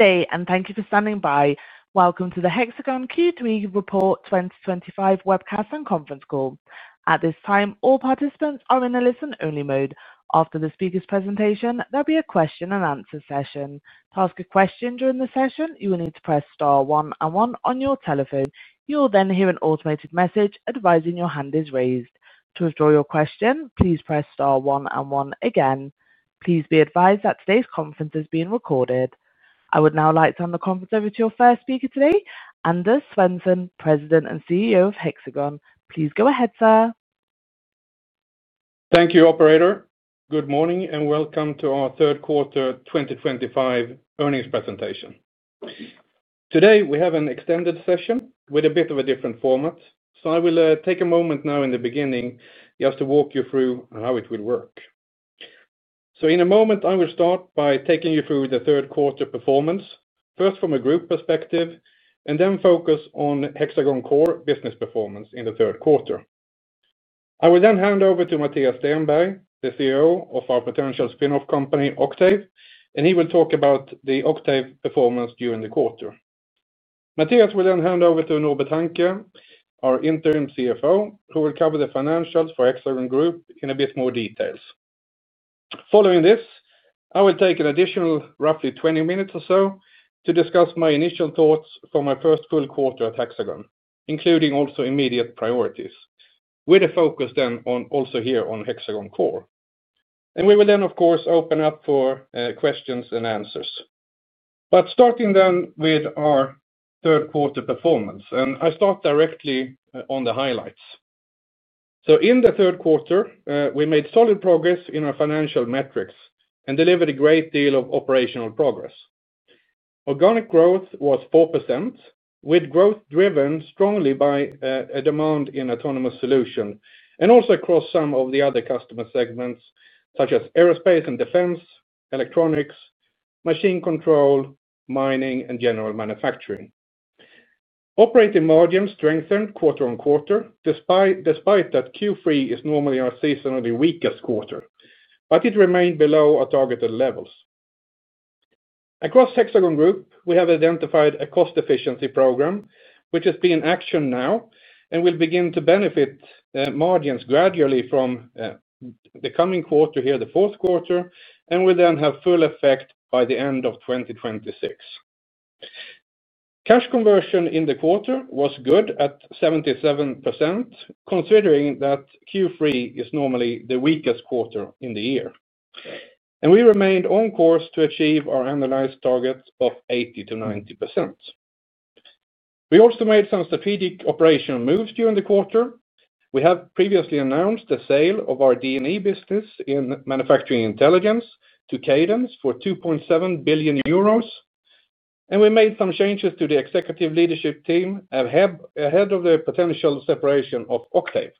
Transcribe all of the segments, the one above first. Stay and thank you for standing by. Welcome to the Hexagon Q3 Report 2025 webcast and conference call. At this time, all participants are in a listen-only mode. After the speaker's presentation, there'll be a question and answer session. To ask a question during the session, you will need to press star one and one on your telephone. You will then hear an automated message advising your hand is raised. To withdraw your question, please press star one and one again. Please be advised that today's conference is being recorded. I would now like to turn the conference over to our first speaker today, Anders Svensson, President and CEO of Hexagon. Please go ahead, sir. Thank you, operator. Good morning and welcome to our third quarter 2025 earnings presentation. Today, we have an extended session with a bit of a different format. I will take a moment now in the beginning just to walk you through how it will work. In a moment, I will start by taking you through the third quarter performance, first from a group perspective, and then focus on Hexagon Core business performance in the third quarter. I will then hand over to Mattias Stenberg, the CEO of our potential spin-off company, Octave, and he will talk about the Octave performance during the quarter. Mattias will then hand over to Norbert Hanke, our Interim CFO, who will cover the financials for Hexagon Group in a bit more detail. Following this, I will take an additional roughly 20 minutes or so to discuss my initial thoughts for my first full quarter at Hexagon, including also immediate priorities, with a focus then also here on Hexagon Core. We will then, of course, open up for questions and answers. Starting then with our third quarter performance, I start directly on the highlights. In the third quarter, we made solid progress in our financial metrics and delivered a great deal of operational progress. Organic growth was 4%, with growth driven strongly by demand in Autonomous Solutions and also across some of the other customer segments, such as aerospace and defense, electronics, machine control, mining, and general manufacturing. Operating margins strengthened quarter on quarter despite that Q3 is normally our seasonally weakest quarter, but it remained below our targeted levels. Across Hexagon Group, we have identified a cost efficiency program, which is being in action now and will begin to benefit margins gradually from the coming quarter, the fourth quarter, and will then have full effect by the end of 2026. Cash conversion in the quarter was good at 77%, considering that Q3 is normally the weakest quarter in the year. We remained on course to achieve our annualized targets of 80%-90%. We also made some strategic operational moves during the quarter. We have previously announced the sale of our D&E business in Manufacturing Intelligence to Cadence for 2.7 billion euros, and we made some changes to the executive leadership team ahead of the potential separation of Octave.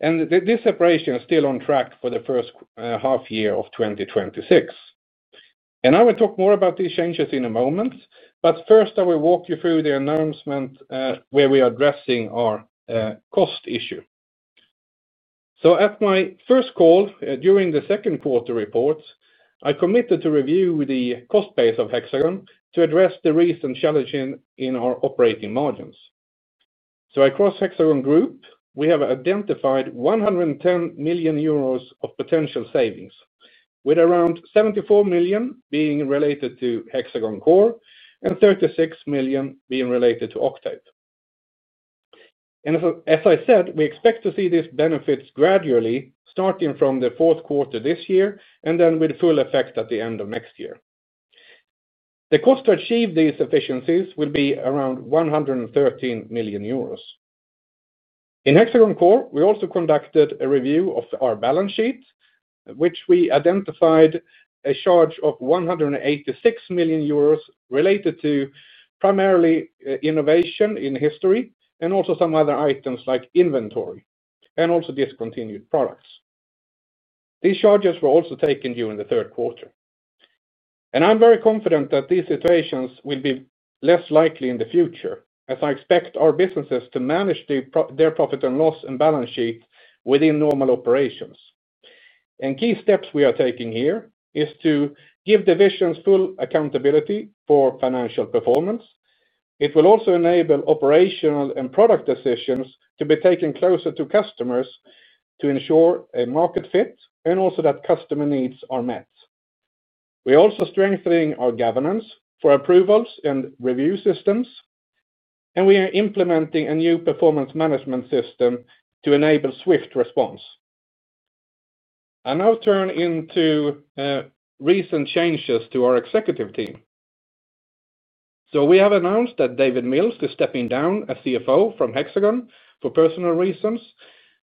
This separation is still on track for the first half year of 2026. I will talk more about these changes in a moment, but first I will walk you through the announcement where we are addressing our cost issue. At my first call during the second quarter reports, I committed to review the cost base of Hexagon to address the recent challenges in our operating margins. Across Hexagon Group, we have identified 110 million euros of potential savings, with around 74 million being related to Hexagon Core and 36 million being related to Octave. As I said, we expect to see these benefits gradually, starting from the fourth quarter this year and then with full effect at the end of next year. The cost to achieve these efficiencies will be around 113 million euros. In Hexagon Core, we also conducted a review of our balance sheet, where we identified a charge of 186 million euros related to primarily innovation in history and also some other items like inventory and discontinued products. These charges were also taken during the third quarter. I am very confident that these situations will be less likely in the future, as I expect our businesses to manage their profit and loss and balance sheet within normal operations. Key steps we are taking here are to give divisions full accountability for financial performance. It will also enable operational and product decisions to be taken closer to customers to ensure a market fit and that customer needs are met. We are also strengthening our governance for approvals and review systems, and we are implementing a new performance management system to enable swift response. I now turn to recent changes to our executive team. We have announced that David Mills is stepping down as CFO from Hexagon for personal reasons,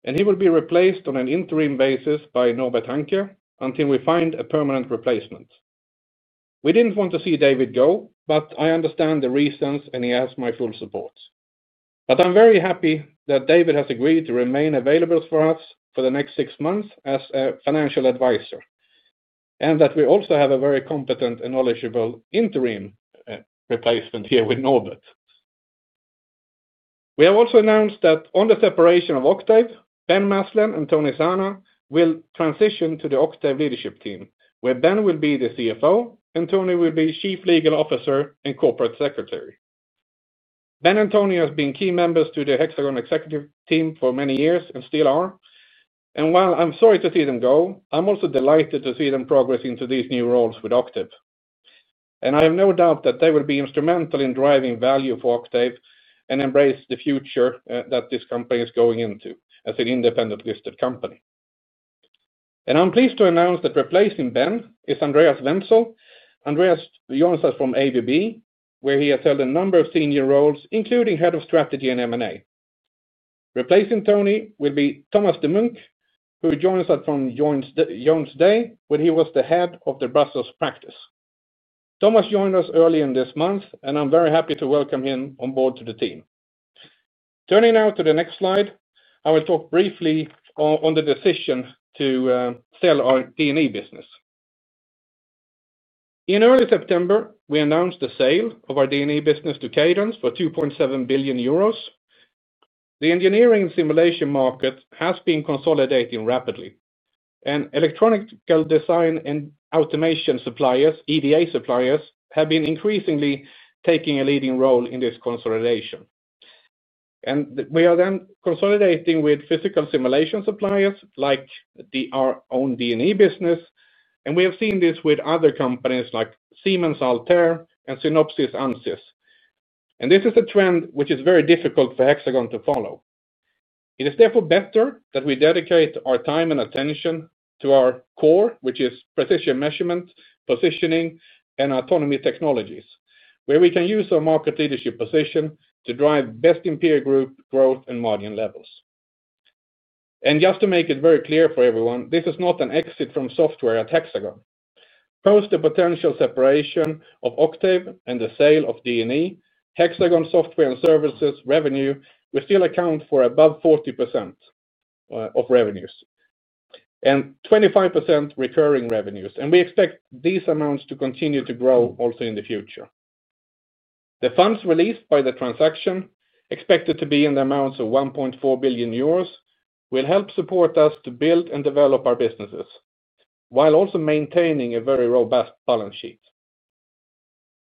and he will be replaced on an interim basis by Norbert Hanke until we find a permanent replacement. We did not want to see David go, but I understand the reasons and he has my full support. I am very happy that David has agreed to remain available for us for the next six months as a financial advisor and that we also have a very competent and knowledgeable interim replacement here with Norbert. We have also announced that on the separation of Octave, Ben Maslen and Tony Zana will transition to the Octave leadership team, where Ben will be the CFO and Tony will be Chief Legal Officer and Corporate Secretary. Ben and Tony have been key members of the Hexagon executive team for many years and still are. While I'm sorry to see them go, I'm also delighted to see them progress into these new roles with Octave. I have no doubt that they will be instrumental in driving value for Octave and embrace the future that this company is going into as an independent listed company. I'm pleased to announce that replacing Ben is Andreas Wenzel. Andreas joins us from ABB, where he has held a number of senior roles, including Head of Strategy and M&A. Replacing Tony will be Thomas de Muynck who joins us from Jones Day, where he was the head of the Brussels practice. Thomas joined us early in this month, and I'm very happy to welcome him on board to the team. Turning now to the next slide, I will talk briefly on the decision to sell our D&E business. In early September, we announced the sale of our D&E business to Cadence for 2.7 billion euros. The engineering and simulation market has been consolidating rapidly, and electronic design and automation suppliers, EDA suppliers, have been increasingly taking a leading role in this consolidation. We are then consolidating with physical simulation suppliers like our own D&E business, and we have seen this with other companies like Siemens, Altair, and Synopsys, Ansys. This is a trend which is very difficult for Hexagon to follow. It is therefore better that we dedicate our time and attention to our core, which is precision measurement, positioning, and autonomy technologies, where we can use our market leadership position to drive best in peer group growth and margin levels. Just to make it very clear for everyone, this is not an exit from software at Hexagon. Post the potential separation of Octave and the sale of D&E, Hexagon software and services revenue will still account for above 40% of revenues and 25% recurring revenues, and we expect these amounts to continue to grow also in the future. The funds released by the transaction, expected to be in the amounts of 1.4 billion euros, will help support us to build and develop our businesses while also maintaining a very robust balance sheet.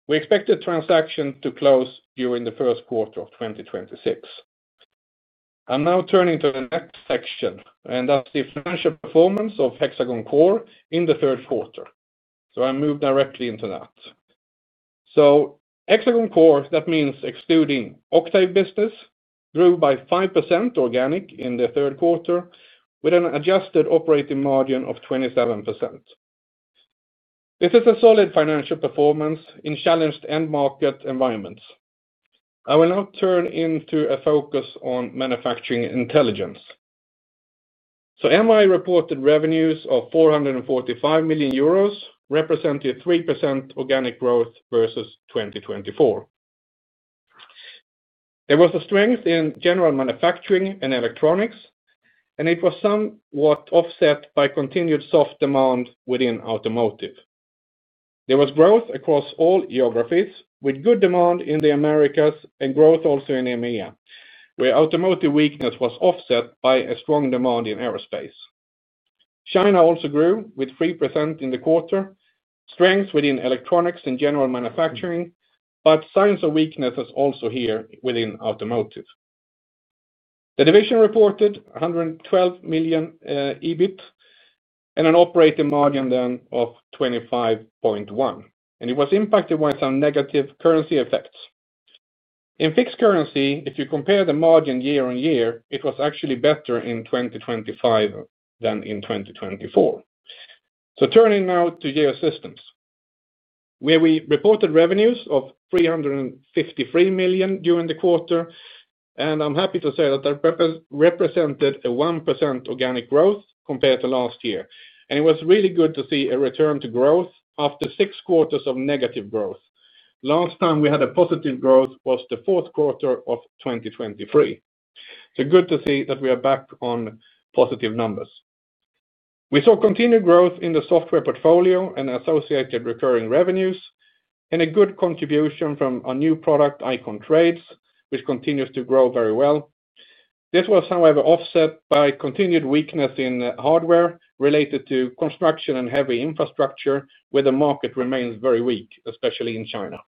We expect the transaction to close during the first quarter of 2026. I'm now turning to the next section, and that's the financial performance of Hexagon Core in the third quarter. I move directly into that. Hexagon Core, that means excluding Octave business, grew by 5% organic in the third quarter with an adjusted operating margin of 27%. This is a solid financial performance in challenged end-market environments. I will now turn into a focus on Manufacturing Intelligence. MI reported revenues of 445 million euros, representing 3% organic growth versus 2024. There was a strength in general manufacturing and electronics, and it was somewhat offset by continued soft demand within automotive. There was growth across all geographies with good demand in the Americas and growth also in EMEA, where automotive weakness was offset by a strong demand in aerospace. China also grew with 3% in the quarter, strength within electronics and general manufacturing, but signs of weaknesses also here within automotive. The division reported 112 million EBIT and an operating margin then of 25.1%, and it was impacted by some negative currency effects. In fixed currency, if you compare the margin year on year, it was actually better in 2025 than in 2024. Turning now to Geosystems, where we reported revenues of 353 million during the quarter, I'm happy to say that represented a 1% organic growth compared to last year. It was really good to see a return to growth after six quarters of negative growth. Last time we had a positive growth was the fourth quarter of 2023. Good to see that we are back on positive numbers. We saw continued growth in the software portfolio and associated recurring revenues and a good contribution from our new product, Icon Trades, which continues to grow very well. This was however offset by continued weakness in hardware related to construction and heavy infrastructure, where the market remains very weak, especially in China.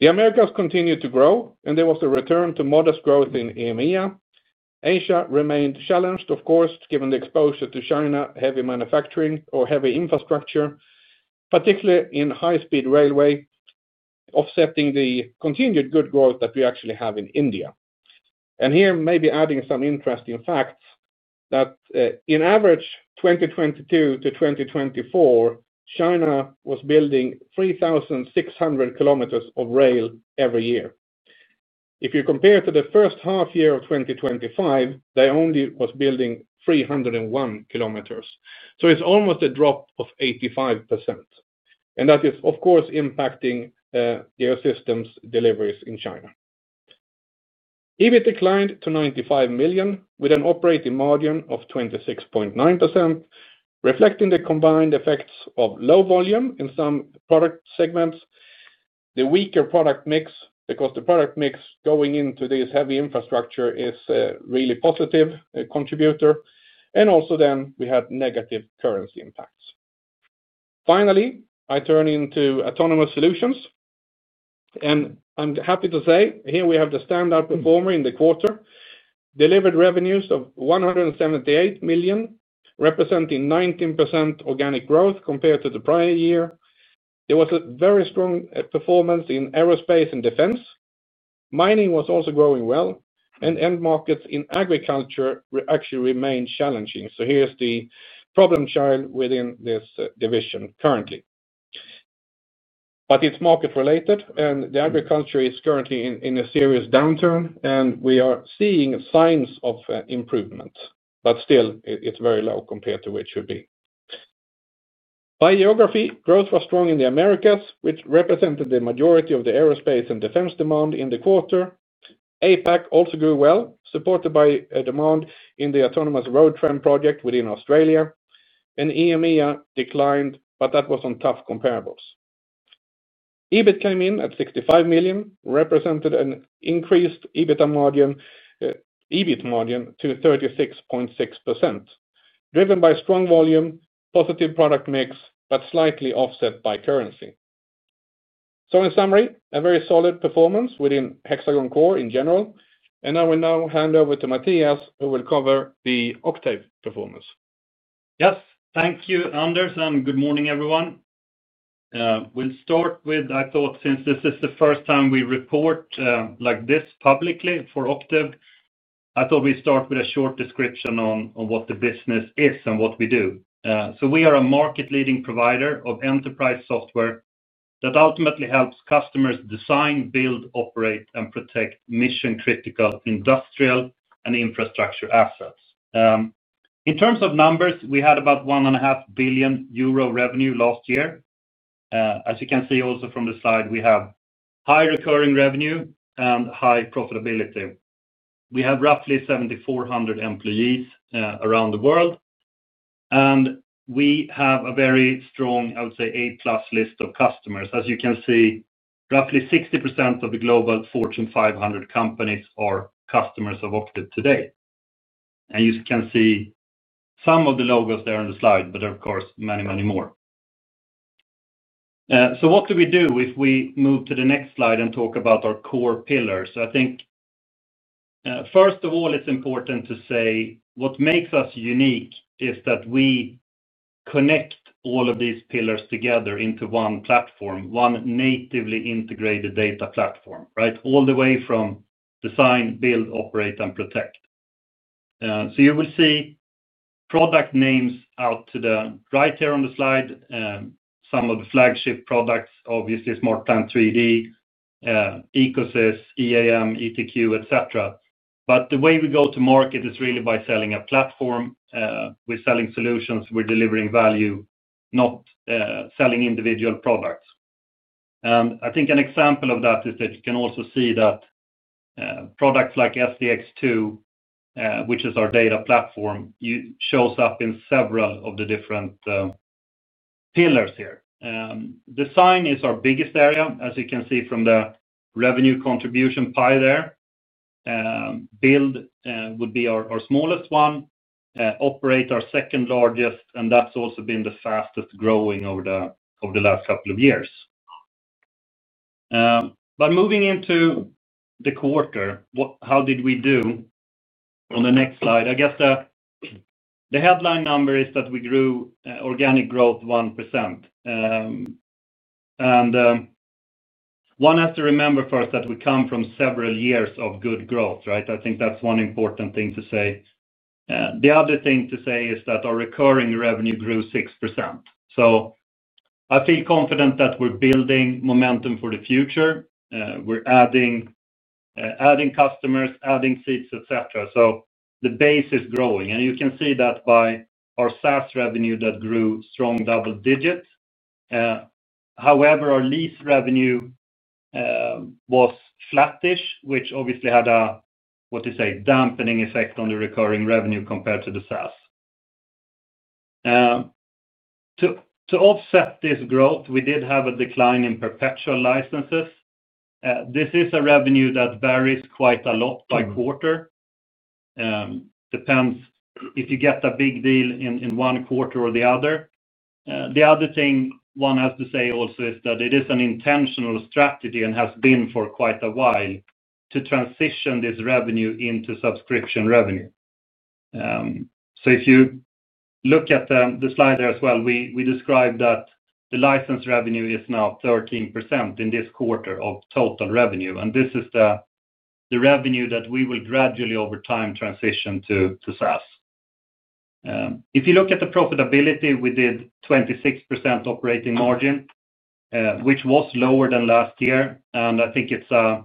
The Americas continued to grow, and there was a return to modest growth in EMEA. Asia remained challenged, of course, given the exposure to China, heavy manufacturing or heavy infrastructure, particularly in high-speed railway, offsetting the continued good growth that we actually have in India. Here maybe adding some interesting facts that in average 2022 to 2024, China was building 3,600 km of rail every year. If you compare to the first half year of 2025, they only were building 301 km. It's almost a drop of 85%. That is, of course, impacting Geosystems' deliveries in China. EBIT declined to 95 million with an operating margin of 26.9%, reflecting the combined effects of low volume in some product segments, the weaker product mix because the product mix going into this heavy infrastructure is a really positive contributor, and also then we had negative currency impacts. Finally, I turn into Autonomous Solutions, and I'm happy to say here we have the standout performer in the quarter, delivered revenues of 178 million, representing 19% organic growth compared to the prior year. There was a very strong performance in aerospace and defense. Mining was also growing well, and end-markets in agriculture actually remained challenging. Here's the problem child within this division currently. It's market related, and the agriculture is currently in a serious downturn, and we are seeing signs of improvement, but still it's very low compared to where it should be. By geography, growth was strong in the Americas, which represented the majority of the aerospace and defense demand in the quarter. APAC also grew well, supported by demand in the autonomous road tram project within Australia, and EMEA declined, but that was on tough comparables. EBIT came in at 65 million, represented an increased EBIT margin to 36.6%, driven by strong volume, positive product mix, but slightly offset by currency. In summary, a very solid performance within Hexagon Core in general, and I will now hand over to Mattias, who will cover the Octave performance. Yes, thank you, Anders, and good morning everyone. We'll start with, I thought, since this is the first time we report like this publicly for Octave, I thought we'd start with a short description on what the business is and what we do. We are a market-leading provider of enterprise software that ultimately helps customers design, build, operate, and protect mission-critical industrial and infrastructure assets. In terms of numbers, we had about 1.5 billion euro revenue last year. As you can see also from the slide, we have high recurring revenue and high profitability. We have roughly 7,400 employees around the world, and we have a very strong, I would say, A+ list of customers. As you can see, roughly 60% of the global Fortune 500 companies are customers of Octave today. You can see some of the logos there on the slide, but there are, of course, many, many more. If we move to the next slide and talk about our core pillars, I think first of all, it's important to say what makes us unique is that we connect all of these pillars together into one platform, one natively integrated data platform, right all the way from design, build, operate, and protect. You will see product names out to the right here on the slide, some of the flagship products, obviously SmartPlant 3D, Ecosys, EAM, ETQ, et cetera. The way we go to market is really by selling a platform. We're selling solutions, we're delivering value, not selling individual products. An example of that is that you can also see that products like SDx2, which is our data platform, shows up in several of the different pillars here. Design is our biggest area, as you can see from the revenue contribution pie there. Build would be our smallest one, operate our second largest, and that's also been the fastest growing over the last couple of years. Moving into the quarter, how did we do on the next slide? I guess the headline number is that we grew organic growth 1%. One has to remember first that we come from several years of good growth, right? I think that's one important thing to say. The other thing to say is that our recurring revenue grew 6%. I feel confident that we're building momentum for the future. We're adding customers, adding seats, et cetera. The base is growing. You can see that by our SaaS revenue that grew strong double digits. However, our lease revenue was flattish, which obviously had a, what do you say, dampening effect on the recurring revenue compared to the SaaS. To offset this growth, we did have a decline in perpetual licenses. This is a revenue that varies quite a lot by quarter. It depends if you get a big deal in one quarter or the other. The other thing one has to say also is that it is an intentional strategy and has been for quite a while to transition this revenue into subscription revenue. If you look at the slide there as well, we describe that the license revenue is now 13% in this quarter of total revenue, and this is the revenue that we will gradually, over time, transition to SaaS. If you look at the profitability, we did 26% operating margin, which was lower than last year, and I think it's a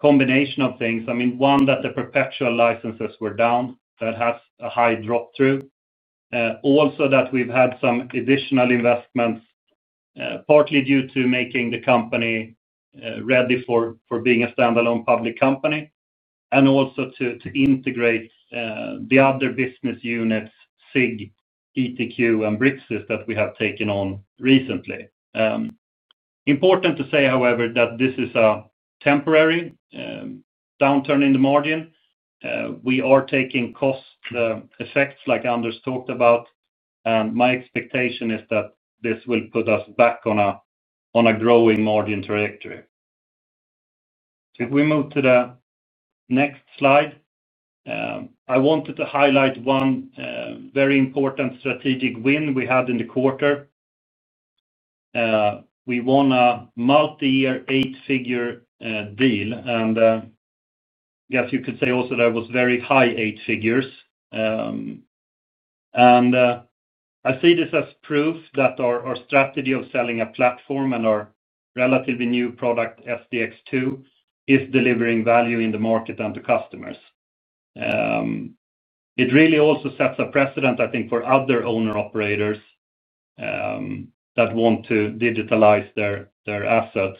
combination of things. I mean, one, that the perpetual licenses were down, that has a high drop-through. Also, that we've had some additional investments, partly due to making the company ready for being a standalone public company and also to integrate the other business units, SIG, ETQ, and Bricsys that we have taken on recently. Important to say, however, that this is a temporary downturn in the margin. We are taking cost effects like Anders talked about, and my expectation is that this will put us back on a growing margin trajectory. If we move to the next slide, I wanted to highlight one very important strategic win we had in the quarter. We won a multi-year eight-figure deal, and I guess you could say also that it was very high eight figures. I see this as proof that our strategy of selling a platform and our relatively new product, SDx2, is delivering value in the market and to customers. It really also sets a precedent, I think, for other owner-operators that want to digitalize their assets,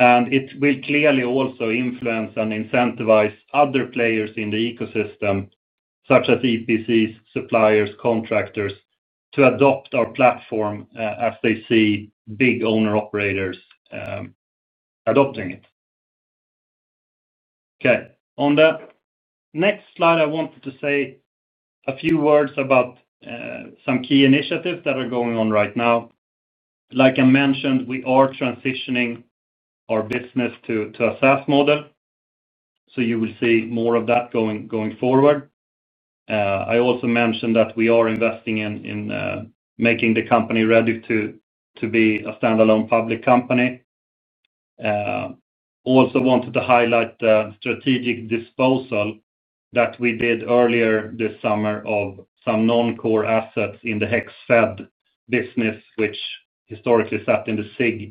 and it will clearly also influence and incentivize other players in the ecosystem, such as EPCs, suppliers, contractors, to adopt our platform as they see big owner-operators adopting it. On the next slide, I wanted to say a few words about some key initiatives that are going on right now. Like I mentioned, we are transitioning our business to a SaaS model, so you will see more of that going forward. I also mentioned that we are investing in making the company ready to be a standalone public company. I also wanted to highlight the strategic disposal that we did earlier this summer of some non-core assets in the HexFed business, which historically sat in the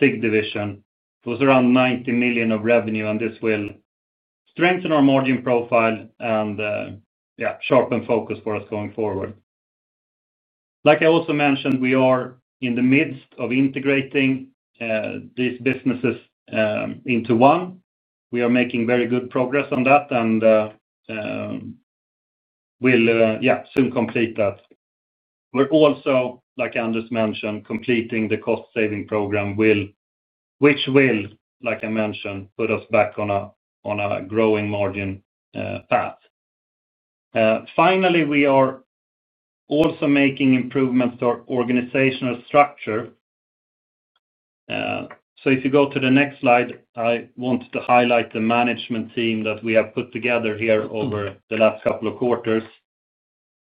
SIG division. It was around 90 million of revenue, and this will strengthen our margin profile and, yeah, sharpen focus for us going forward. Like I also mentioned, we are in the midst of integrating these businesses into one. We are making very good progress on that and will, yeah, soon complete that. We're also, like Anders mentioned, completing the cost efficiency program, which will, like I mentioned, put us back on a growing margin path. Finally, we are also making improvements to our organizational structure. If you go to the next slide, I wanted to highlight the management team that we have put together here over the last couple of quarters.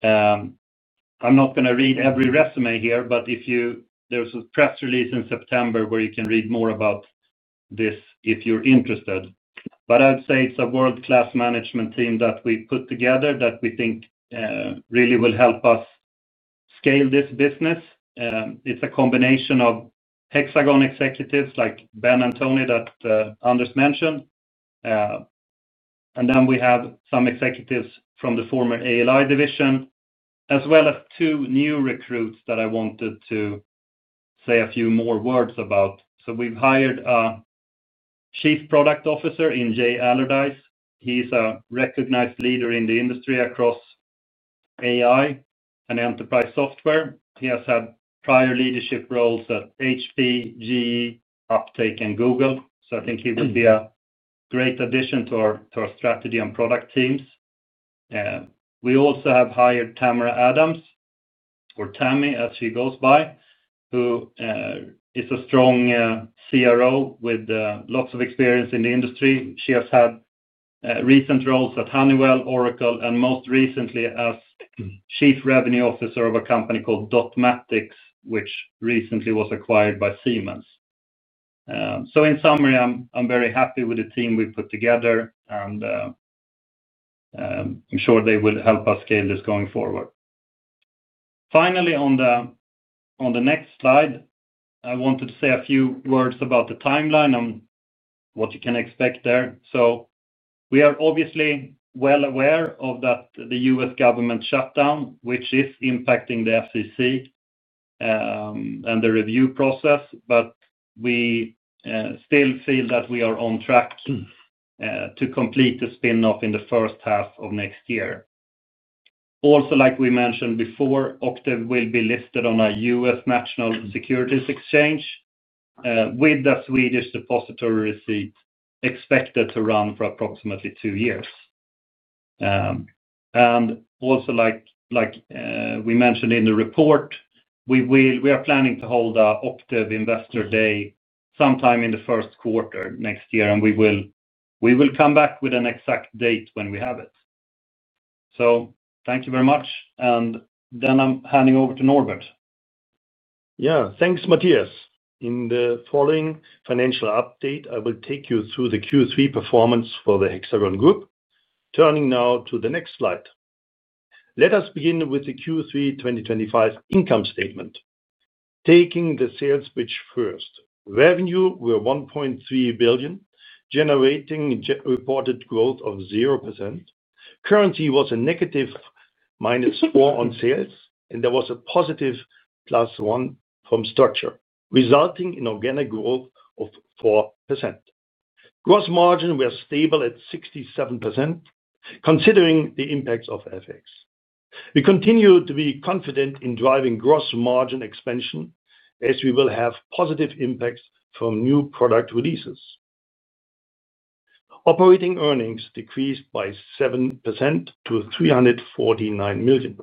I'm not going to read every resume here, but if you, there's a press release in September where you can read more about this if you're interested. I'd say it's a world-class management team that we put together that we think really will help us scale this business. It's a combination of Hexagon executives like Ben and Tony that Anders mentioned, and then we have some executives from the former ALI division, as well as two new recruits that I wanted to say a few more words about. We've hired a Chief Product Officer in Jay Allardyce. He's a recognized leader in the industry across AI and enterprise software. He has had prior leadership roles at HPE, GE, UpTake, and Google, so I think he will be a great addition to our strategy and product teams. We also have hired Tamara Adams, or Tammy as she goes by, who is a strong CRO with lots of experience in the industry. She has had recent roles at Honeywell, Oracle, and most recently as Chief Revenue Officer of a company called Dotmatics, which recently was acquired by Siemens. In summary, I'm very happy with the team we put together, and I'm sure they will help us scale this going forward. On the next slide, I wanted to say a few words about the timeline and what you can expect there. We are obviously well aware of the U.S. government shutdown, which is impacting the FCC and the review process, but we still feel that we are on track to complete the spin-off in the first half of next year. Also, like we mentioned before, Octave will be listed on a US National Securities Exchange with a Swedish depository receipt expected to run for approximately two years. Like we mentioned in the report, we are planning to hold an Octave Investor Day sometime in the first quarter next year, and we will come back with an exact date when we have it. Thank you very much. I'm handing over to Norbert. Yeah. Thanks, Mattias. In the following financial update, I will take you through the Q3 performance for the Hexagon Group. Turning now to the next slide. Let us begin with the Q3 2025 income statement. Taking the sales pitch first, revenue were 1.3 billion, generating a reported growth of 0%. Currency was a negative -4% on sales, and there was a positive +1% from structure, resulting in organic growth of 4%. Gross margin was stable at 67%, considering the impacts of FX. We continue to be confident in driving gross margin expansion as we will have positive impacts from new product releases. Operating earnings decreased by 7% to 349 million,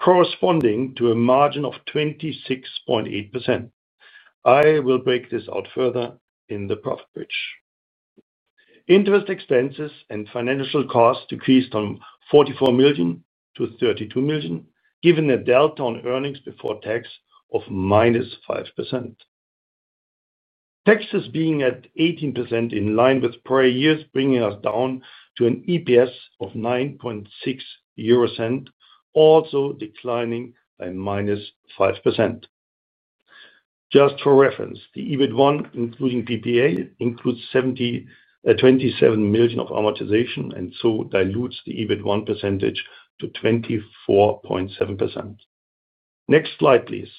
corresponding to a margin of 26.8%. I will break this out further in the profit pitch. Interest expenses and financial costs decreased from 44 million to 32 million, given a delta on earnings before tax of -5%. Taxes being at 18% in line with prior years, bringing us down to an EPS of 0.096, also declining by -5%. Just for reference, the EBIT 1, including PPA, includes 27 million of amortization and so dilutes the EBIT 1 percentage to 24.7%. Next slide, please.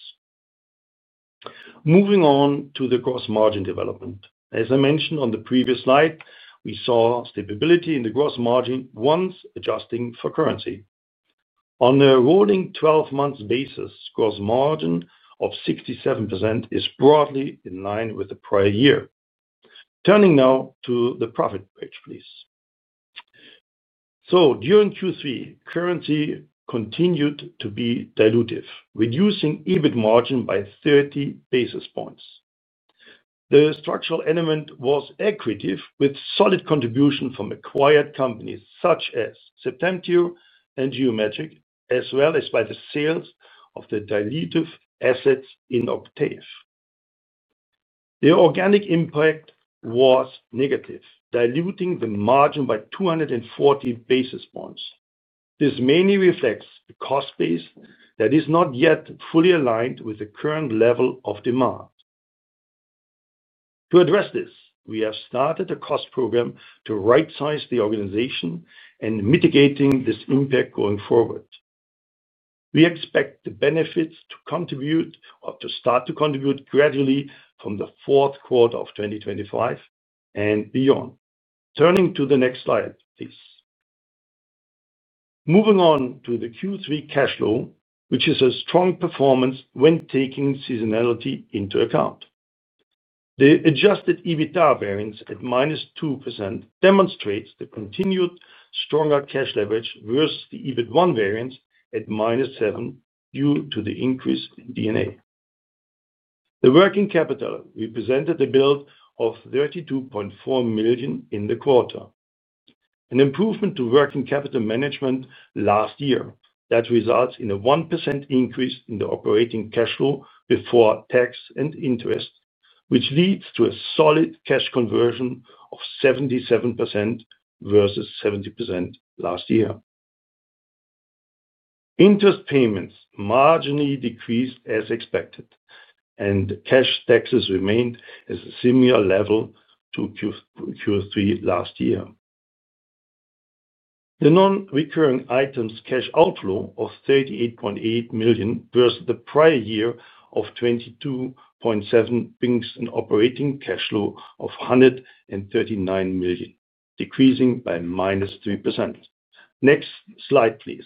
Moving on to the gross margin development. As I mentioned on the previous slide, we saw stability in the gross margin once adjusting for currency. On a rolling 12-month basis, gross margin of 67% is broadly in line with the prior year. Turning now to the profit pitch, please. During Q3, currency continued to be dilutive, reducing EBIT margin by 30 basis points. The structural element was equitative, with solid contribution from acquired companies such as Septentrio and Geomagic, as well as by the sales of the dilutive assets in Octave. The organic impact was negative, diluting the margin by 240 basis points. This mainly reflects a cost base that is not yet fully aligned with the current level of demand. To address this, we have started a cost program to right-size the organization and mitigate this impact going forward. We expect the benefits to contribute or to start to contribute gradually from the fourth quarter of 2025 and beyond. Turning to the next slide, please. Moving on to the Q3 cash flow, which is a strong performance when taking seasonality into account. The adjusted EBITDA variance at -2% demonstrates the continued stronger cash leverage versus the EBIT 1 variance at -7% due to the increase in D&A. The working capital represented a build of 32.4 million in the quarter. An improvement to working capital management last year that results in a 1% increase in the operating cash flow before tax and interest, which leads to a solid cash conversion of 77% versus 70% last year. Interest payments marginally decreased as expected, and cash taxes remained at a similar level to Q3 last year. The non-recurring items cash outflow of 38.8 million versus the prior year of 22.7 million, being an operating cash flow of 139 million, decreasing by -3%. Next slide, please.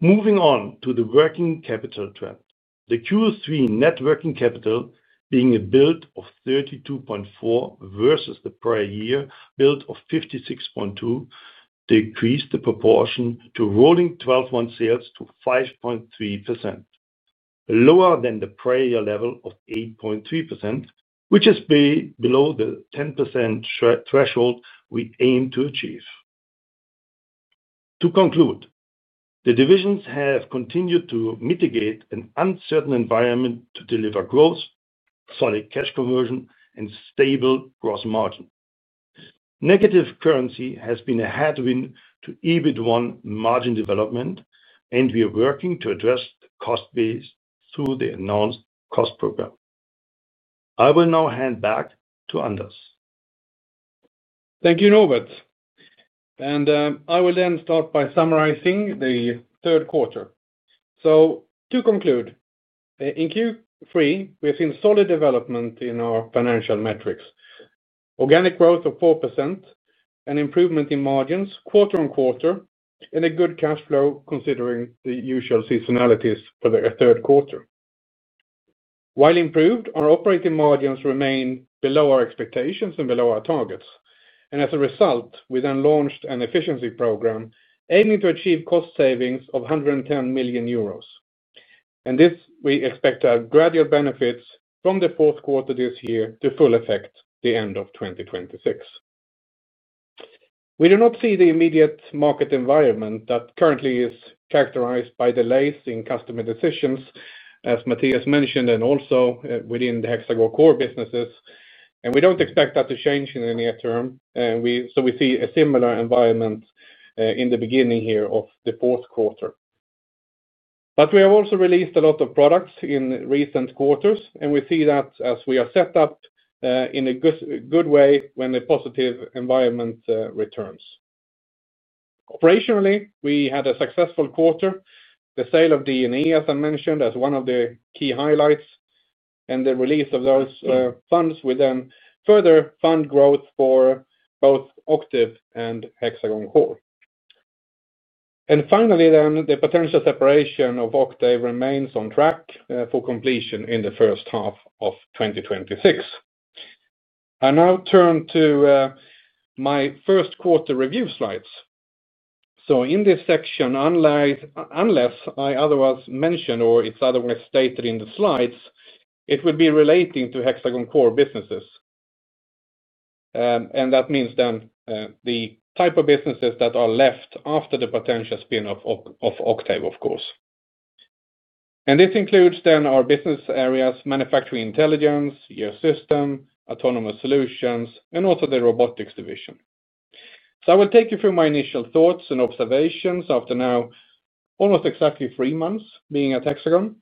Moving on to the working capital trend. The Q3 net working capital being a build of 32.4 million versus the prior year build of 56.2 million decreased the proportion to rolling 12 month sales to 5.3%, lower than the prior year level of 8.3%, which is below the 10% threshold we aim to achieve. To conclude, the divisions have continued to mitigate an uncertain environment to deliver growth, solid cash conversion, and stable gross margin. Negative currency has been a headwind to EBIT 1 margin development, and we are working to address the cost base through the announced cost program. I will now hand back to Anders. Thank you, Norbert. I will then start by summarizing the third quarter. To conclude, in Q3, we have seen solid development in our financial metrics. Organic growth of 4% and improvement in margins quarter on quarter and a good cash flow considering the usual seasonalities for the third quarter. While improved, our operating margins remain below our expectations and below our targets. As a result, we then launched an efficiency program aiming to achieve cost savings of 110 million euros. We expect to have gradual benefits from the fourth quarter this year to full effect at the end of 2026. We do not see the immediate market environment that currently is characterized by delays in customer decisions, as Mattias mentioned, and also within the Hexagon Core businesses. We don't expect that to change in the near term. We see a similar environment in the beginning here of the fourth quarter. We have also released a lot of products in recent quarters, and we see that as we are set up in a good way when the positive environment returns. Operationally, we had a successful quarter. The sale of D&E, as I mentioned, as one of the key highlights, and the release of those funds will further fund growth for both Octave and Hexagon Core. Finally, the potential separation of Octave remains on track for completion in the first half of 2026. I now turn to my first quarter review slides. In this section, unless I otherwise mention or it's otherwise stated in the slides, it would be relating to Hexagon Core businesses. That means the type of businesses that are left after the potential spin-off of Octave, of course. This includes our business areas, manufacturing intelligence, your system, Autonomous Solutions, and also the robotics division. I will take you through my initial thoughts and observations after now almost exactly three months being at Hexagon.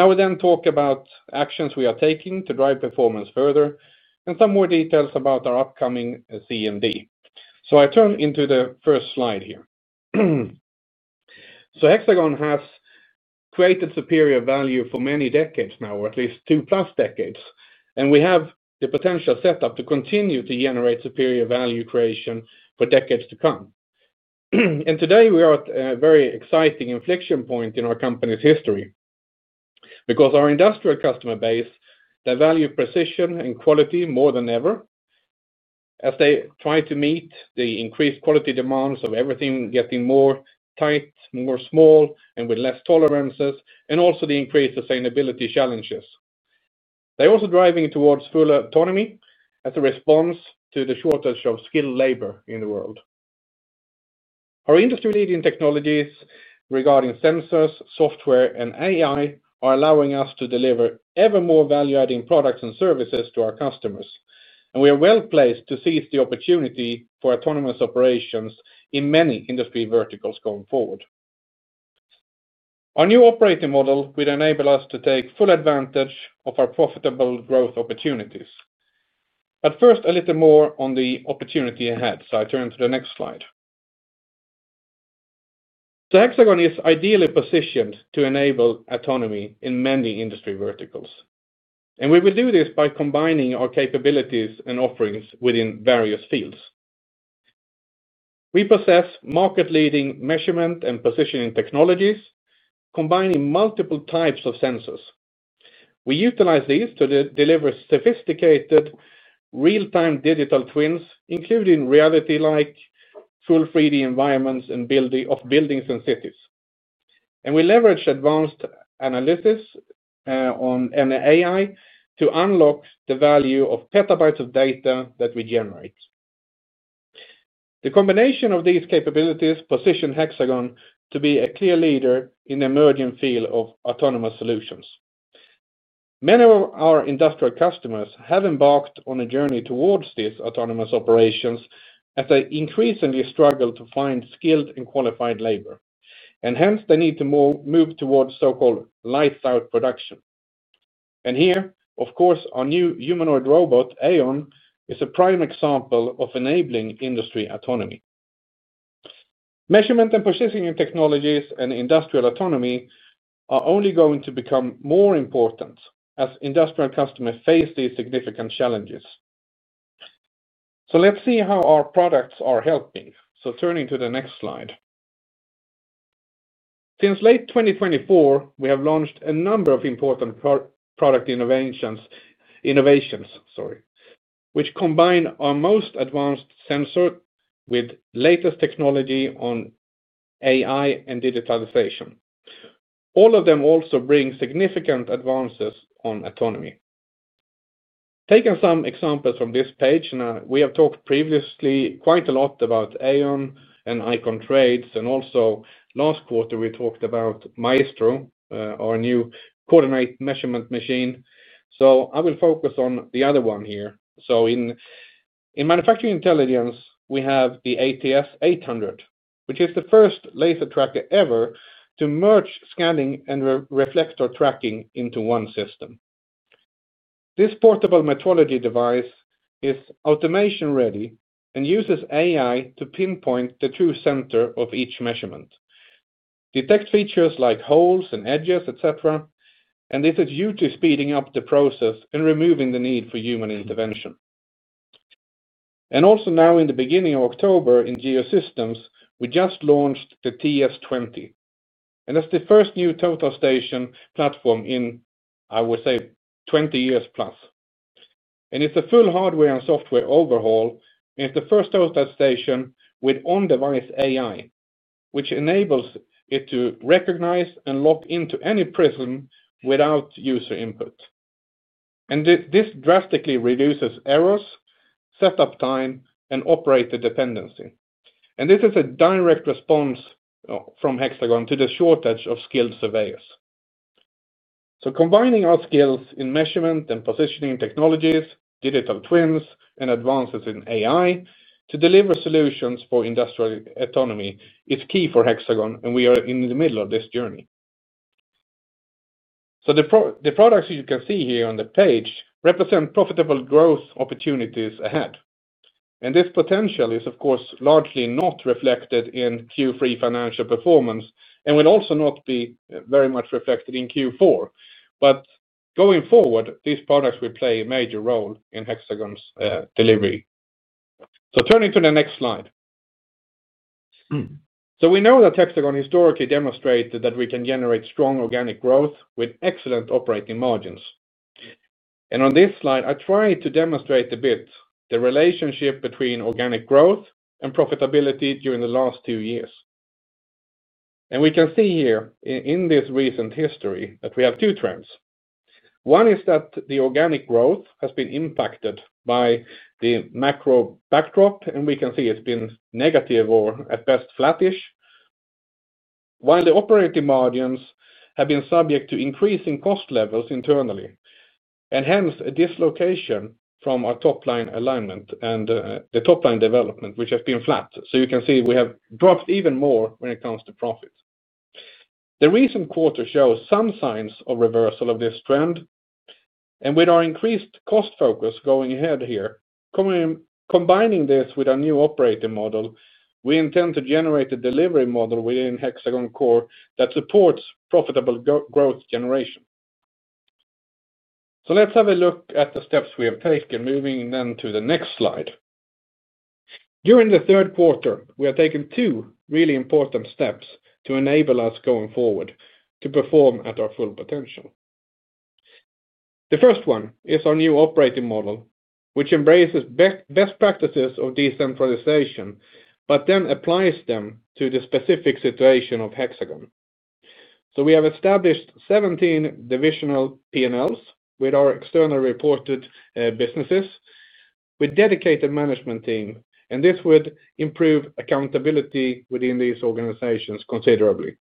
I will then talk about actions we are taking to drive performance further and some more details about our upcoming CMD. I turn into the first slide here. Hexagon has created superior value for many decades now, or at least two+ decades. We have the potential setup to continue to generate superior value creation for decades to come. Today, we are at a very exciting inflection point in our company's history because our industrial customer base values precision and quality more than ever as they try to meet the increased quality demands of everything getting more tight, more small, and with less tolerances, and also the increased sustainability challenges. They are also driving towards full autonomy as a response to the shortage of skilled labor in the world. Our industry-leading technologies regarding sensors, software, and AI are allowing us to deliver ever more value-adding products and services to our customers. We are well placed to seize the opportunity for autonomous operations in many industry verticals going forward. Our new operating model would enable us to take full advantage of our profitable growth opportunities. First, a little more on the opportunity ahead. I turn to the next slide. Hexagon is ideally positioned to enable autonomy in many industry verticals. We will do this by combining our capabilities and offerings within various fields. We possess market-leading measurement and positioning technologies, combining multiple types of sensors. We utilize these to deliver sophisticated real-time digital twins, including reality-like full 3D environments of buildings and cities. We leverage advanced analytics and AI to unlock the value of petabytes of data that we generate. The combination of these capabilities positions Hexagon to be a clear leader in the emerging field of Autonomous Solutions. Many of our industrial customers have embarked on a journey towards these autonomous operations as they increasingly struggle to find skilled and qualified labor. Hence, they need to move towards so-called lights-out production. Here, of course, our new humanoid robot, AEON, is a prime example of enabling industry autonomy. Measurement and positioning technologies and industrial autonomy are only going to become more important as industrial customers face these significant challenges. Let's see how our products are helping. Turning to the next slide. Since late 2024, we have launched a number of important product innovations, which combine our most advanced sensor with latest technology on AI and digitalization. All of them also bring significant advances on autonomy. Taking some examples from this page, now we have talked previously quite a lot about AEON and Icon Trades, and also last quarter we talked about Maestro, our new coordinate measurement machine. I will focus on the other one here. In Manufacturing Intelligence, we have the ATS800, which is the first laser tracker ever to merge scanning and reflector tracking into one system. This portable metrology device is automation-ready and uses AI to pinpoint the true center of each measurement. Detect features like holes and edges, et cetera, and this is due to speeding up the process and removing the need for human intervention. Also, now in the beginning of October in Geosystems, we just launched the TS20. That's the first new total station platform in, I would say, 20 years+. It's a full hardware and software overhaul, and it's the first total station with on-device AI, which enables it to recognize and log into any prism without user input. This drastically reduces errors, setup time, and operator dependency. This is a direct response from Hexagon to the shortage of skilled surveyors. Combining our skills in measurement and positioning technologies, digital twins, and advances in AI to deliver solutions for industrial autonomy is key for Hexagon, and we are in the middle of this journey. The products you can see here on the page represent profitable growth opportunities ahead. This potential is, of course, largely not reflected in Q3 financial performance and will also not be very much reflected in Q4. Going forward, these products will play a major role in Hexagon's delivery. Turning to the next slide. We know that Hexagon historically demonstrated that we can generate strong organic growth with excellent operating margins. On this slide, I tried to demonstrate a bit the relationship between organic growth and profitability during the last two years. We can see here in this recent history that we have two trends. One is that the organic growth has been impacted by the macro backdrop, and we can see it's been negative or at best flattish, while the operating margins have been subject to increasing cost levels internally. Hence, a dislocation from our top line alignment and the top line development, which has been flat. You can see we have dropped even more when it comes to profit. The recent quarter shows some signs of reversal of this trend. With our increased cost focus going ahead here, combining this with our new operating model, we intend to generate a delivery model within Hexagon Core that supports profitable growth generation. Let's have a look at the steps we have taken, moving to the next slide. During the third quarter, we have taken two really important steps to enable us going forward to perform at our full potential. The first one is our new operating model, which embraces best practices of decentralization, but then applies them to the specific situation of Hexagon. We have established 17 divisional P&Ls with our externally reported businesses with dedicated management team, and this would improve accountability within these organizations considerably.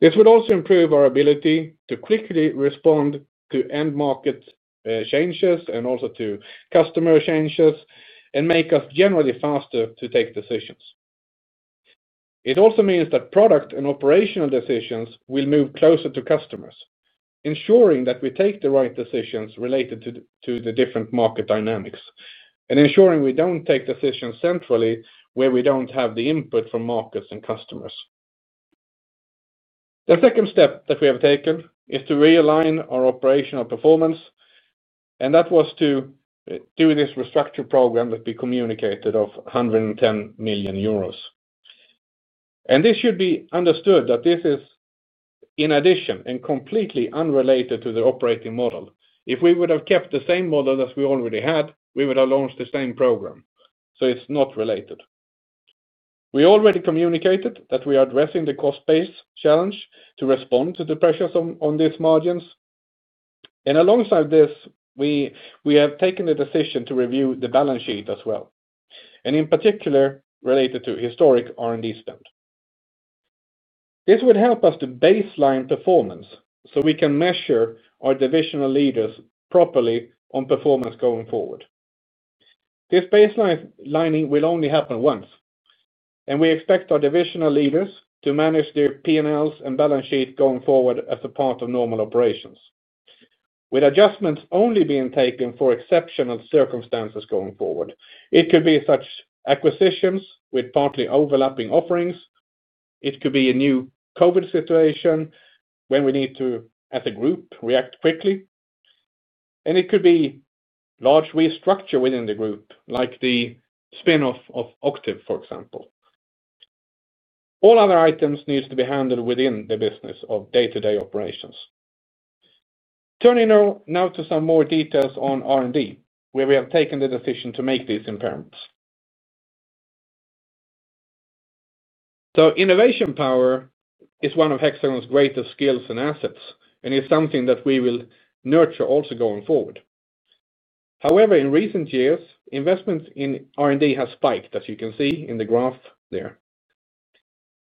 This would also improve our ability to quickly respond to end-market changes and also to customer changes and make us generally faster to take decisions. It also means that product and operational decisions will move closer to customers, ensuring that we take the right decisions related to the different market dynamics and ensuring we don't take decisions centrally where we don't have the input from markets and customers. The second step that we have taken is to realign our operational performance, and that was to do this restructure program that we communicated of 110 million euros. This should be understood that this is in addition and completely unrelated to the operating model. If we would have kept the same model that we already had, we would have launched the same program. It's not related. We already communicated that we are addressing the cost-based challenge to respond to the pressures on these margins. Alongside this, we have taken the decision to review the balance sheet as well, in particular related to historic R&D spend. This would help us to baseline performance so we can measure our divisional leaders properly on performance going forward. This baselining will only happen once, and we expect our divisional leaders to manage their P&Ls and balance sheet going forward as a part of normal operations. With adjustments only being taken for exceptional circumstances going forward, it could be such acquisitions with partly overlapping offerings. It could be a new COVID situation when we need to, as a group, react quickly. It could be a large restructure within the group, like the spin-off of Octave, for example. All other items need to be handled within the business of day-to-day operations. Turning now to some more details on R&D, where we have taken the decision to make these impairments. Innovation power is one of Hexagon's greatest skills and assets and is something that we will nurture also going forward. However, in recent years, investments in R&D have spiked, as you can see in the graph there.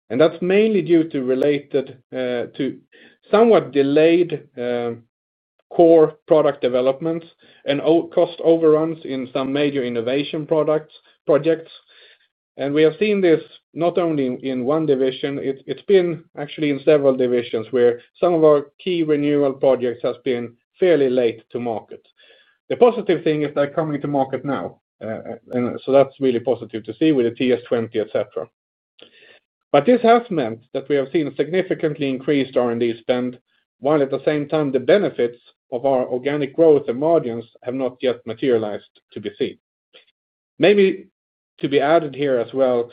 That is mainly due to somewhat delayed core product developments and cost overruns in some major innovation projects. We have seen this not only in one division, it has actually been in several divisions where some of our key renewal projects have been fairly late to market. The positive thing is they are coming to market now, which is really positive to see with the TS20, etc. This has meant that we have seen significantly increased R&D spend, while at the same time, the benefits of our organic growth and margins have not yet materialized to be seen. Maybe to be added here as well,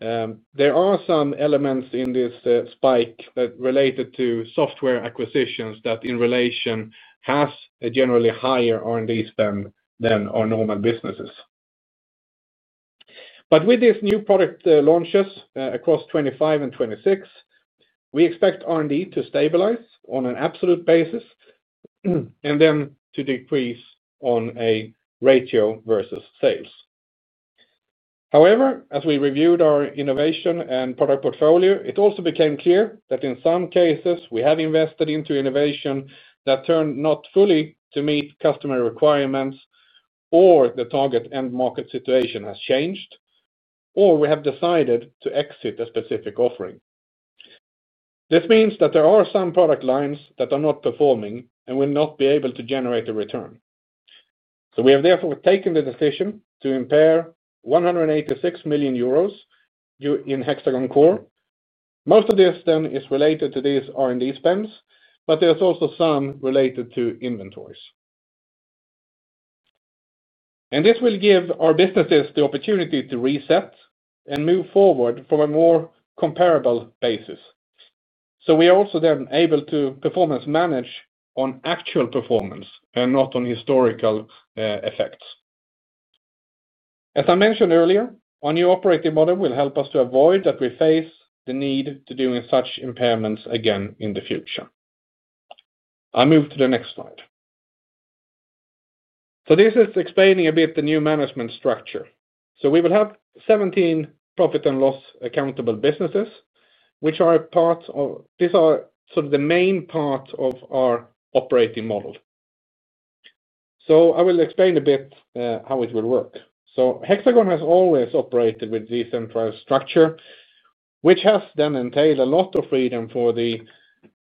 there are some elements in this spike that are related to software acquisitions that in relation have a generally higher R&D spend than our normal businesses. With these new product launches across 2025 and 2026, we expect R&D to stabilize on an absolute basis and then to decrease on a ratio versus sales. However, as we reviewed our innovation and product portfolio, it also became clear that in some cases we have invested into innovation that turned not fully to meet customer requirements or the target end-market situation has changed, or we have decided to exit a specific offering. This means that there are some product lines that are not performing and will not be able to generate a return. We have therefore taken the decision to impair 186 million euros in Hexagon Core. Most of this is related to these R&D spends, but there is also some related to inventories. This will give our businesses the opportunity to reset and move forward from a more comparable basis. We are also then able to performance manage on actual performance and not on historical effects. As I mentioned earlier, our new operating model will help us to avoid that we face the need to do such impairments again in the future. I move to the next slide. This is explaining a bit the new management structure. We will have 17 profit and loss accountable businesses, which are a part of these are sort of the main part of our operating model. I will explain a bit how it will work. Hexagon has always operated with a decentralized structure, which has then entailed a lot of freedom for the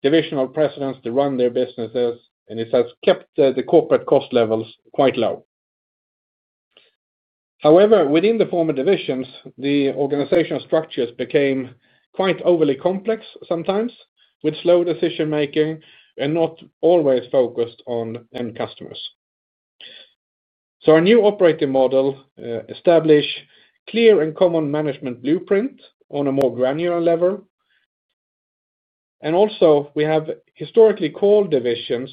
divisional presidents to run their businesses, and it has kept the corporate cost levels quite low. However, within the former divisions, the organizational structures became quite overly complex sometimes, with slow decision-making and not always focused on end customers. Our new operating model establishes a clear and common management blueprint on a more granular level. Also, what we have historically called divisions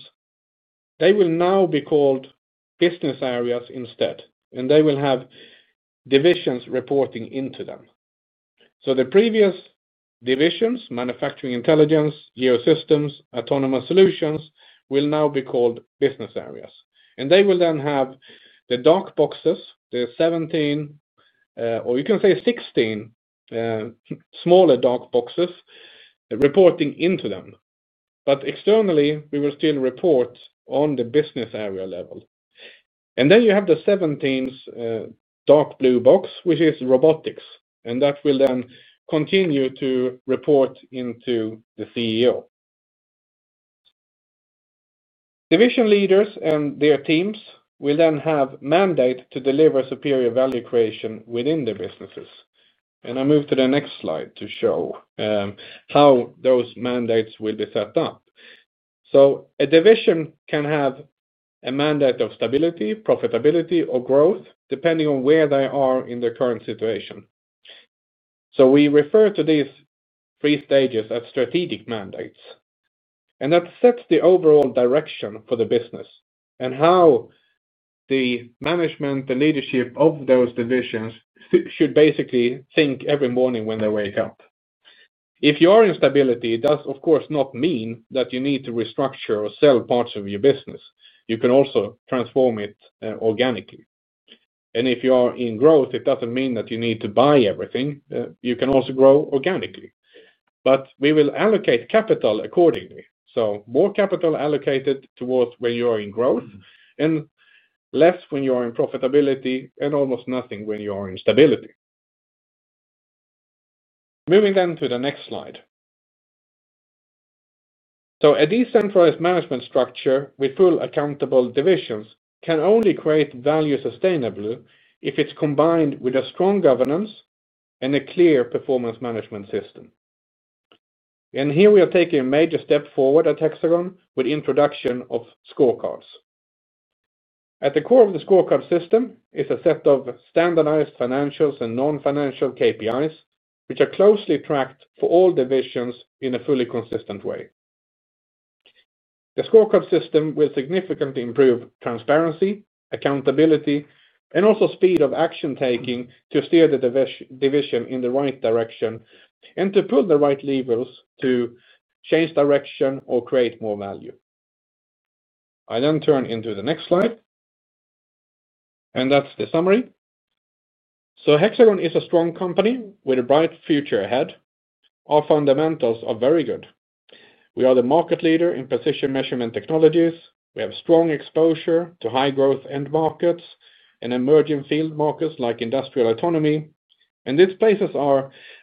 will now be called business areas instead, and they will have divisions reporting into them. The previous divisions, Manufacturing Intelligence, Geosystems, Autonomous Solutions, will now be called business areas. They will then have the dark boxes, the 17, or you can say 16, smaller dark boxes reporting into them. Externally, we will still report on the business area level. Then you have the 17's dark blue box, which is Robotics, and that will continue to report into the CEO. Division leaders and their teams will then have a mandate to deliver superior value creation within their businesses. I move to the next slide to show how those mandates will be set up. A division can have a mandate of stability, profitability, or growth, depending on where they are in their current situation. We refer to these three stages as strategic mandates. That sets the overall direction for the business and how the management, the leadership of those divisions should basically think every morning when they wake up. If you are in stability, it does, of course, not mean that you need to restructure or sell parts of your business. You can also transform it organically. If you are in growth, it doesn't mean that you need to buy everything. You can also grow organically. We will allocate capital accordingly. More capital allocated towards when you are in growth and less when you are in profitability and almost nothing when you are in stability. Moving to the next slide. A decentralized management structure with fully accountable divisions can only create value sustainably if it's combined with strong governance and a clear performance management system. Here we are taking a major step forward at Hexagon with the introduction of scorecards. At the core of the scorecard system is a set of standardized financials and non-financial KPIs, which are closely tracked for all divisions in a fully consistent way. The scorecard system will significantly improve transparency, accountability, and also speed of action taking to steer the division in the right direction and to pull the right levers to change direction or create more value. I then turn into the next slide. That's the summary. Hexagon is a strong company with a bright future ahead. Our fundamentals are very good. We are the market leader in position measurement technologies. We have strong exposure to high-growth end-markets and emerging field markets like industrial autonomy. This places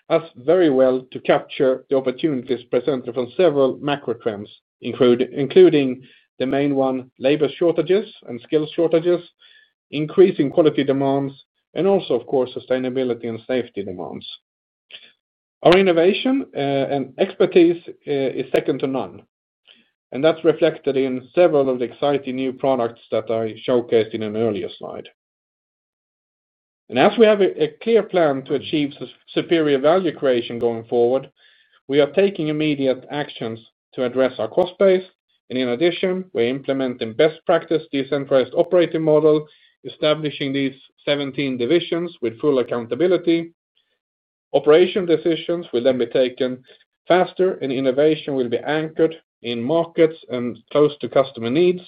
us very well to capture the opportunities presented from several macro trends, including the main one, labor shortages and skill shortages, increasing quality demands, and also, of course, sustainability and safety demands. Our innovation and expertise is second to none. That's reflected in several of the exciting new products that I showcased in an earlier slide. As we have a clear plan to achieve superior value creation going forward, we are taking immediate actions to address our cost base. In addition, we're implementing best practice decentralized operating model, establishing these 17 divisions with full accountability. Operation decisions will then be taken faster, and innovation will be anchored in markets and close to customer needs.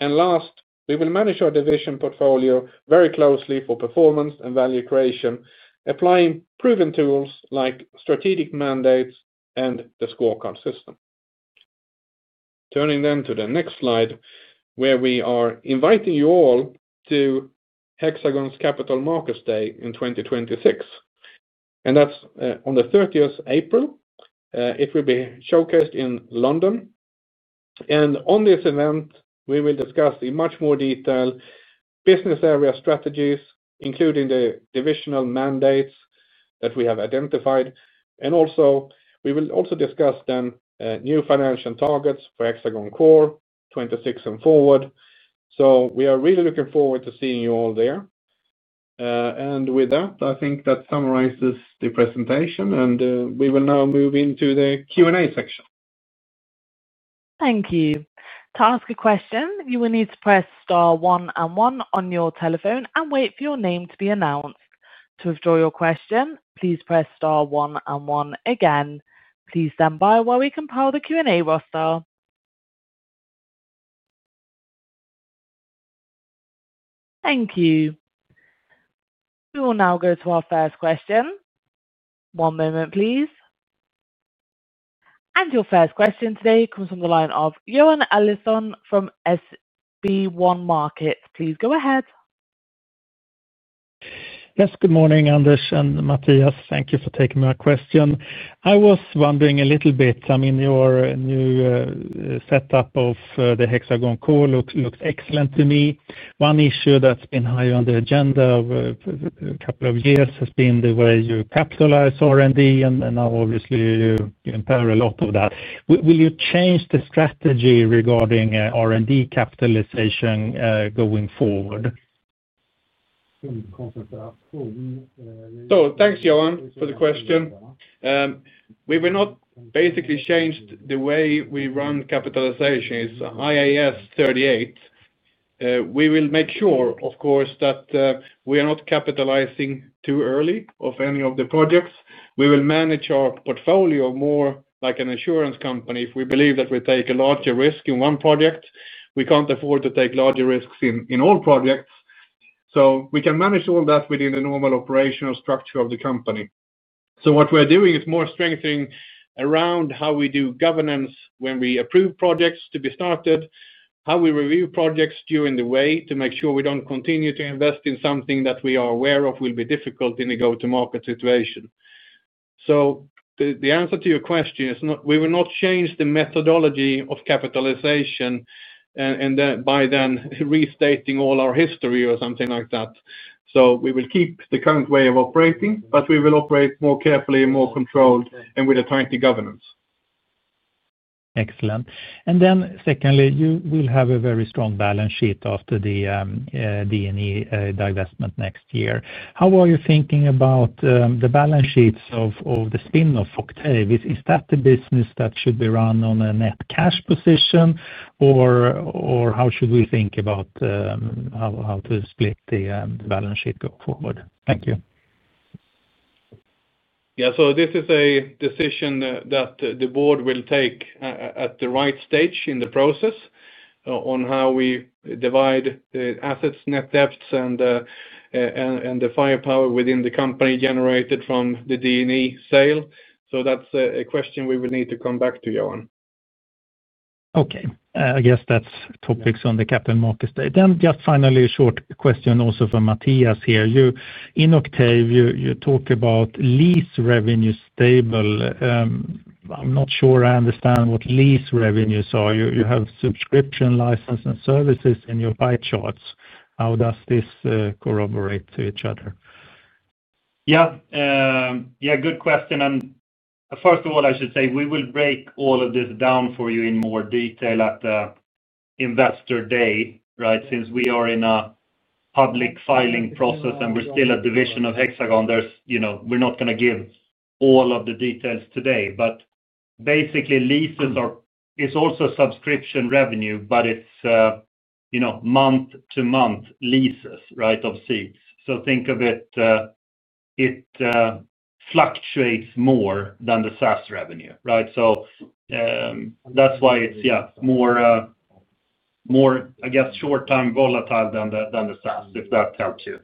Last, we will manage our division portfolio very closely for performance and value creation, applying proven tools like strategic mandates and the scorecard system. Turning then to the next slide, where we are inviting you all to Hexagon's Capital Markets Day in 2026. That's on the 30th of April. It will be showcased in London. At this event, we will discuss in much more detail business area strategies, including the divisional mandates that we have identified. We will also discuss then new financial targets for Hexagon Core '26 and forward. We are really looking forward to seeing you all there. With that, I think that summarizes the presentation, and we will now move into the Q&A section. Thank you. To ask a question, you will need to press star one and one on your telephone and wait for your name to be announced. To withdraw your question, please press star one and one again. Please stand by while we compile the Q&A roster. Thank you. We will now go to our first question. One moment, please. Your first question today comes from the line of Johan Eliason from SB1 Markets. Please go ahead. Yes. Good morning, Anders and Mattias. Thank you for taking my question. I was wondering a little bit, I mean, your new setup of the Hexagon Core looks excellent to me. One issue that's been high on the agenda over a couple of years has been the way you capitalize R&D, and now obviously you impair a lot of that. Will you change the strategy regarding R&D capitalization going forward? Thank you, Johan, for the question. We will not basically change the way we run capitalization. It's IAS 38. We will make sure, of course, that we are not capitalizing too early of any of the projects. We will manage our portfolio more like an insurance company if we believe that we take a larger risk in one project. We can't afford to take larger risks in all projects. We can manage all that within the normal operational structure of the company. What we're doing is more strengthening around how we do governance when we approve projects to be started, how we review projects during the way to make sure we don't continue to invest in something that we are aware of will be difficult in the go-to-market situation. The answer to your question is we will not change the methodology of capitalization and by then restating all our history or something like that. We will keep the current way of operating, but we will operate more carefully and more controlled and with a tighter governance. Excellent. Secondly, you will have a very strong balance sheet after the D&E divestment next year. How are you thinking about the balance sheets of the spin-off Octave? Is that a business that should be run on a net cash position, or how should we think about how to split the balance sheet going forward? Thank you. This is a decision that the board will take at the right stage in the process on how we divide the assets, net debts, and the firepower within the company generated from the D&E sale. That's a question we will need to come back to, Johan. Okay. I guess that's topics on the capital markets. Then just finally, a short question also for Mattias here. In Octave, you talk about lease revenue stable. I'm not sure I understand what lease revenues are. You have subscription license and services in your pie charts. How does this corroborate to each other? Yeah. Good question. First of all, I should say we will break all of this down for you in more detail at the investor day, right? Since we are in a public filing process and we're still a division of Hexagon, we're not going to give all of the details today. Basically, leases are also subscription revenue, but it's month-to-month leases, right, of seats. Think of it, it fluctuates more than the SaaS revenue, right? That's why it's more, I guess, short-term volatile than the SaaS, if that helps you.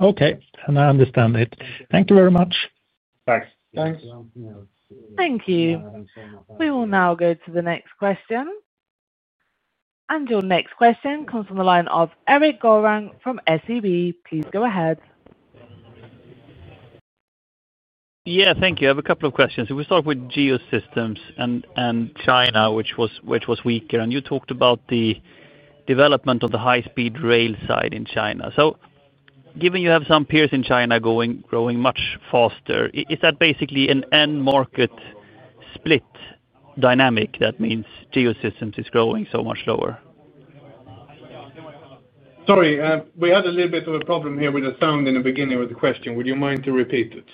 Okay, I understand it. Thank you very much. Thanks. Thanks. Thank you. We will now go to the next question. Your next question comes from the line of Eric Goran from SEB. Please go ahead. Thank you. I have a couple of questions. If we start with Geosystems and China, which was weaker, you talked about the development of the high-speed rail side in China. Given you have some peers in China growing much faster, is that basically an end-market split dynamic that means Geosystems is growing so much slower? Sorry, we had a little bit of a problem here with the sound in the beginning of the question. Would you mind to repeat it?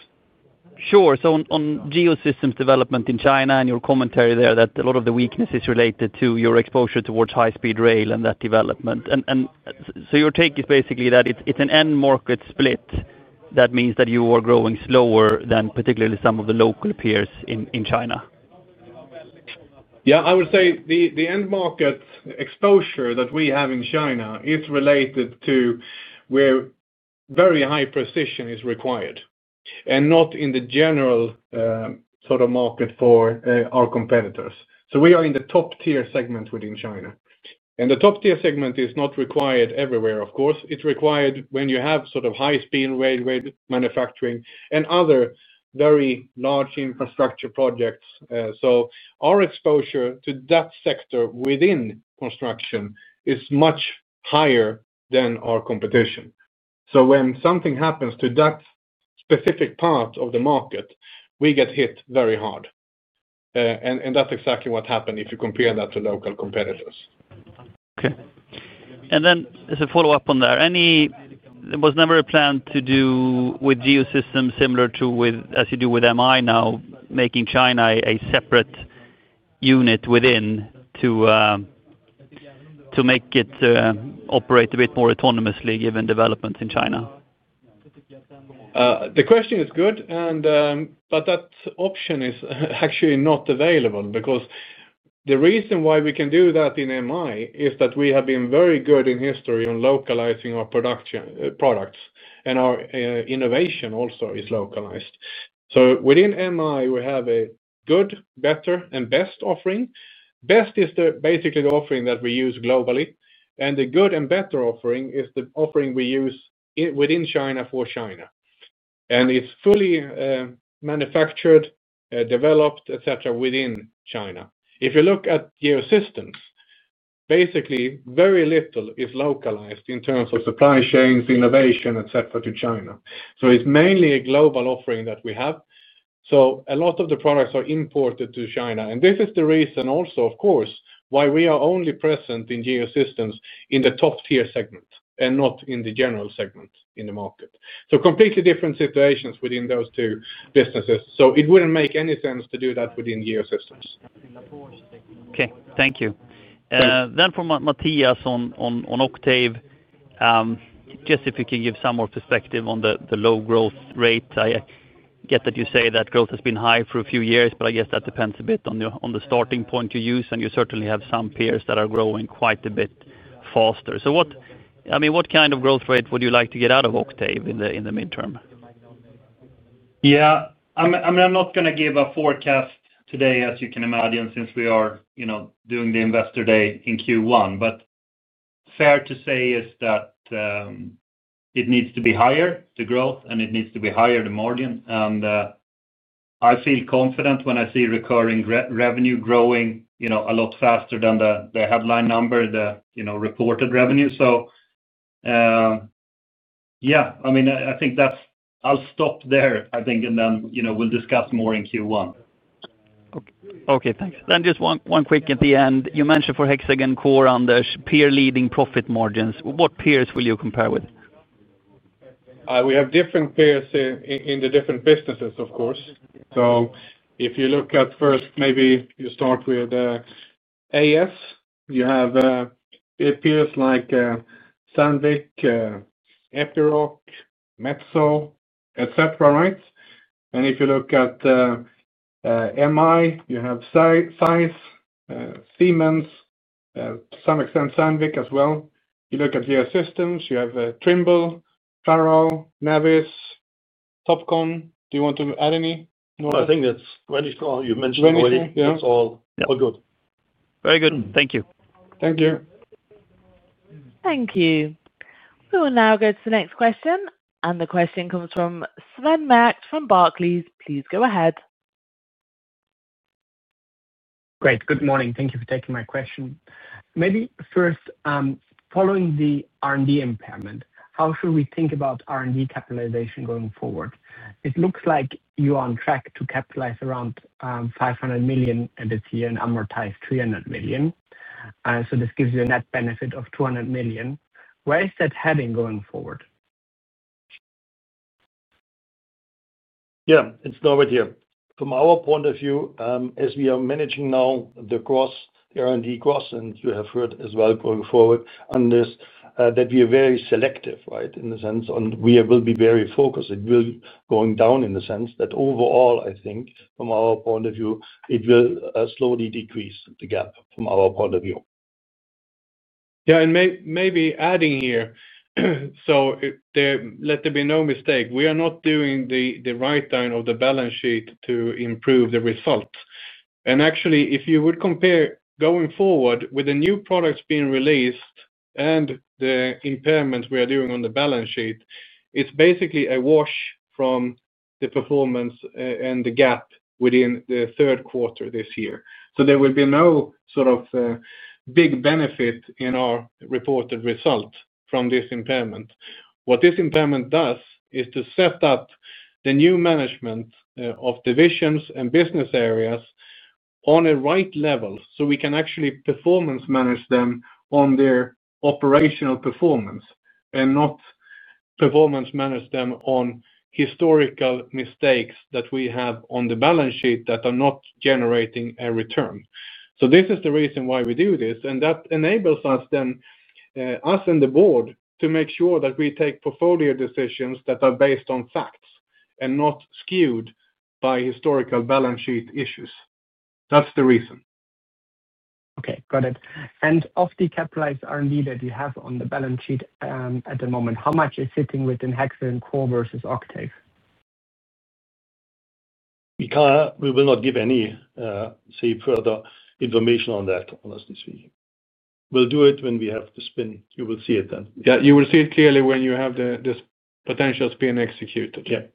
Sure. On Geosystems development in China and your commentary there, a lot of the weakness is related to your exposure towards high-speed rail and that development. Your take is basically that it's an end-market split. That means that you are growing slower than particularly some of the local peers in China. I would say the end-market exposure that we have in China is related to where very high precision is required and not in the general sort of market for our competitors. We are in the top-tier segment within China, and the top-tier segment is not required everywhere, of course. It's required when you have sort of high-speed railway manufacturing and other very large infrastructure projects. Our exposure to that sector within construction is much higher than our competition. When something happens to that specific part of the market, we get hit very hard. That's exactly what happened if you compare that to local competitors. Okay. As a follow-up on that, there was never a plan to do with Geosystems similar to as you do with MI now, making China a separate unit within to make it operate a bit more autonomously given developments in China. The question is good, but that option is actually not available because the reason why we can do that in MI is that we have been very good in history on localizing our products, and our innovation also is localized. Within MI, we have a good, better, and best offering. Best is basically the offering that we use globally, and the good and better offering is the offering we use within China for China. It's fully manufactured, developed, et cetera, within China. If you look at Geosystems, very little is localized in terms of supply chains, innovation, et cetera, to China. It's mainly a global offering that we have. A lot of the products are imported to China. This is the reason also, of course, why we are only present in Geosystems in the top-tier segment and not in the general segment in the market. Completely different situations within those two businesses. It wouldn't make any sense to do that within Geosystems. Okay. Thank you. From Mattias on Octave, just if you can give some more perspective on the low growth rate. I get that you say that growth has been high for a few years, but I guess that depends a bit on the starting point you use, and you certainly have some peers that are growing quite a bit faster. What, I mean, what kind of growth rate would you like to get out of Octave in the midterm? Yeah, I mean, I'm not going to give a forecast today, as you can imagine, since we are doing the investor day in Q1. It is fair to say that it needs to be higher, the growth, and it needs to be higher, the margin. I feel confident when I see recurring revenue growing a lot faster than the headline number, the reported revenue. I think I'll stop there, and then we'll discuss more in Q1. Okay. Thanks. Just one quick at the end. You mentioned for Hexagon Core, on peer-leading profit margins. What peers will you compare with? We have different peers in the different businesses, of course. If you look at first, maybe you start with AS. You have peers like Sandvik, Epiroc, Metso, et cetera, right? If you look at MI, you have Zeiss, Siemens, to some extent Sandvik as well. If you look at Geosystems, you have Trimble, Leica, [Navis], Topcon. Do you want to add any more? I think that's pretty strong. You've mentioned already. Very good, yeah. It's all good. Very good. Thank you. Thank you. Thank you. We will now go to the next question. The question comes from Sven Merkt from Barclays. Please go ahead. Great. Good morning. Thank you for taking my question. Maybe first, following the R&D impairment, how should we think about R&D capitalization going forward? It looks like you are on track to capitalize around 500 million this year and amortize 300 million. This gives you a net benefit of 200 million. Where is that heading going forward? Yeah. It's nowhere here. From our point of view, as we are managing now the R&D costs, and you have heard as well going forward on this, that we are very selective, right, in the sense, and we will be very focused. It will go down in the sense that overall, I think, from our point of view, it will slowly decrease the gap from our point of view. Maybe adding here, let there be no mistake, we are not doing the writing of the balance sheet to improve the result. Actually, if you would compare going forward with the new products being released and the impairments we are doing on the balance sheet, it's basically a wash from the performance and the gap within the third quarter this year. There will be no sort of big benefit in our reported results from this impairment. What this impairment does is to set up the new management of divisions and business areas on a right level so we can actually performance manage them on their operational performance and not performance manage them on historical mistakes that we have on the balance sheet that are not generating a return. This is the reason why we do this. That enables us, then, us and the board, to make sure that we take portfolio decisions that are based on facts and not skewed by historical balance sheet issues. That's the reason. Got it. Of the capitalized R&D that you have on the balance sheet at the moment, how much is sitting within Hexagon Core versus Octave? We will not give any further information on that, honestly speaking. We'll do it when we have the spin. You will see it then. You will see it clearly when you have this potential spin executed.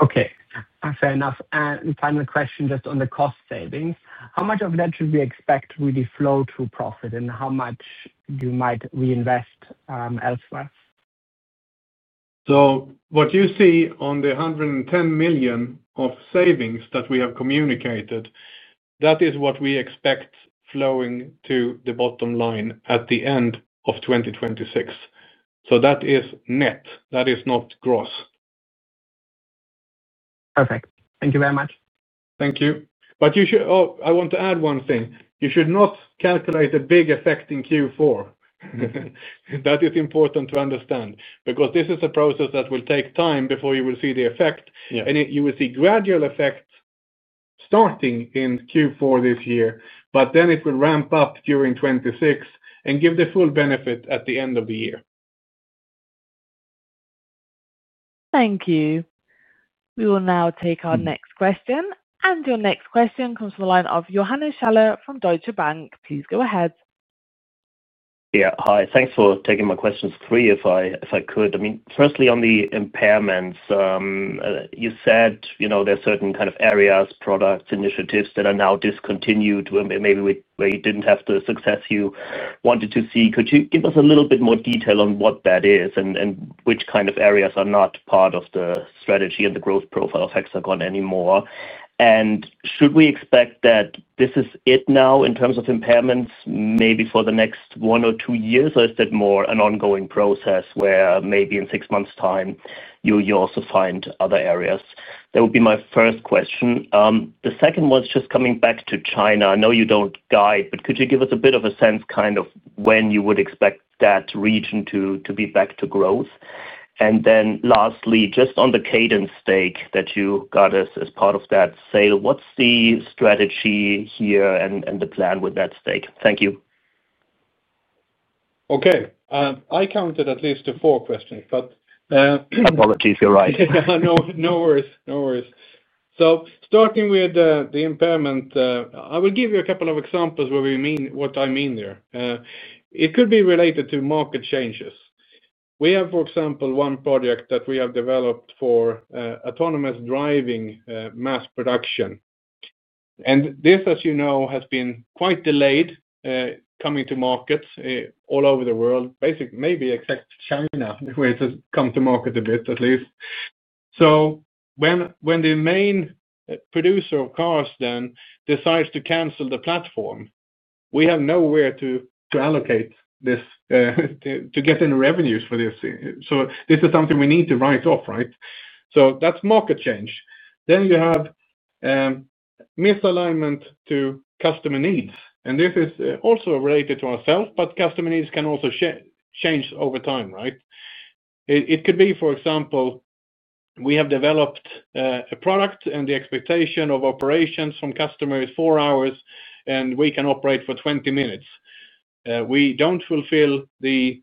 Okay. Fair enough. Final question just on the cost savings. How much of that should we expect really flow to profit and how much you might reinvest elsewhere? What you see on the 110 million of savings that we have communicated, that is what we expect flowing to the bottom line at the end of 2026. That is net. That is not gross. Perfect. Thank you very much. Thank you. I want to add one thing. You should not calculate the big effect in Q4. It is important to understand because this is a process that will take time before you will see the effect. You will see gradual effects starting in Q4 this year, but it will ramp up during 2026 and give the full benefit at the end of the year. Thank you. We will now take our next question. Your next question comes from the line of Johannes Schaller from Deutsche Bank. Please go ahead. Yeah. Hi. Thanks for taking my questions, three if I could. Firstly, on the impairments, you said there are certain kind of areas, products, initiatives that are now discontinued where maybe we didn't have the success you wanted to see. Could you give us a little bit more detail on what that is and which kind of areas are not part of the strategy and the growth profile of Hexagon anymore? Should we expect that this is it now in terms of impairments for the next one or two years, or is that more an ongoing process where maybe in six months' time you also find other areas? That would be my first question. The second one is just coming back to China. I know you don't guide, but could you give us a bit of a sense when you would expect that region to be back to growth? Lastly, just on the Cadence stake that you got as part of that sale, what's the strategy here and the plan with that stake? Thank you. Okay. I counted at least four questions. Apologies, you're right. No worries. No worries. Starting with the impairment, I will give you a couple of examples of what I mean there. It could be related to market changes. We have, for example, one project that we have developed for autonomous driving mass production. This, as you know, has been quite delayed coming to market all over the world, basically, maybe except China, where it has come to market a bit at least. When the main producer of cars then decides to cancel the platform, we have nowhere to allocate this, to get any revenues for this. This is something we need to write off, right? That's market change. Then you have misalignment to customer needs. This is also related to ourselves, but customer needs can also change over time, right? It could be, for example, we have developed a product and the expectation of operations from customers is four hours, and we can operate for 20 minutes. We don't fulfill the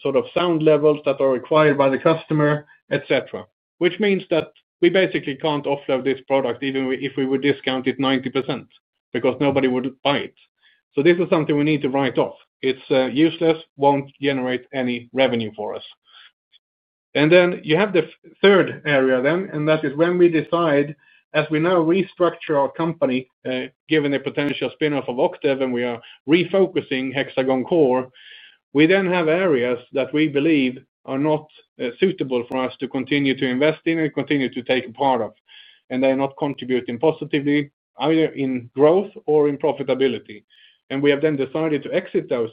sort of sound levels that are required by the customer, etc., which means that we basically can't offload this product even if we would discount it 90% because nobody would buy it. This is something we need to write off. It's useless, won't generate any revenue for us. Then you have the third area, and that is when we decide, as we now restructure our company, given the potential spin-off of Octave, and we are refocusing Hexagon Core, we then have areas that we believe are not suitable for us to continue to invest in and continue to take part of. They're not contributing positively either in growth or in profitability. We have then decided to exit those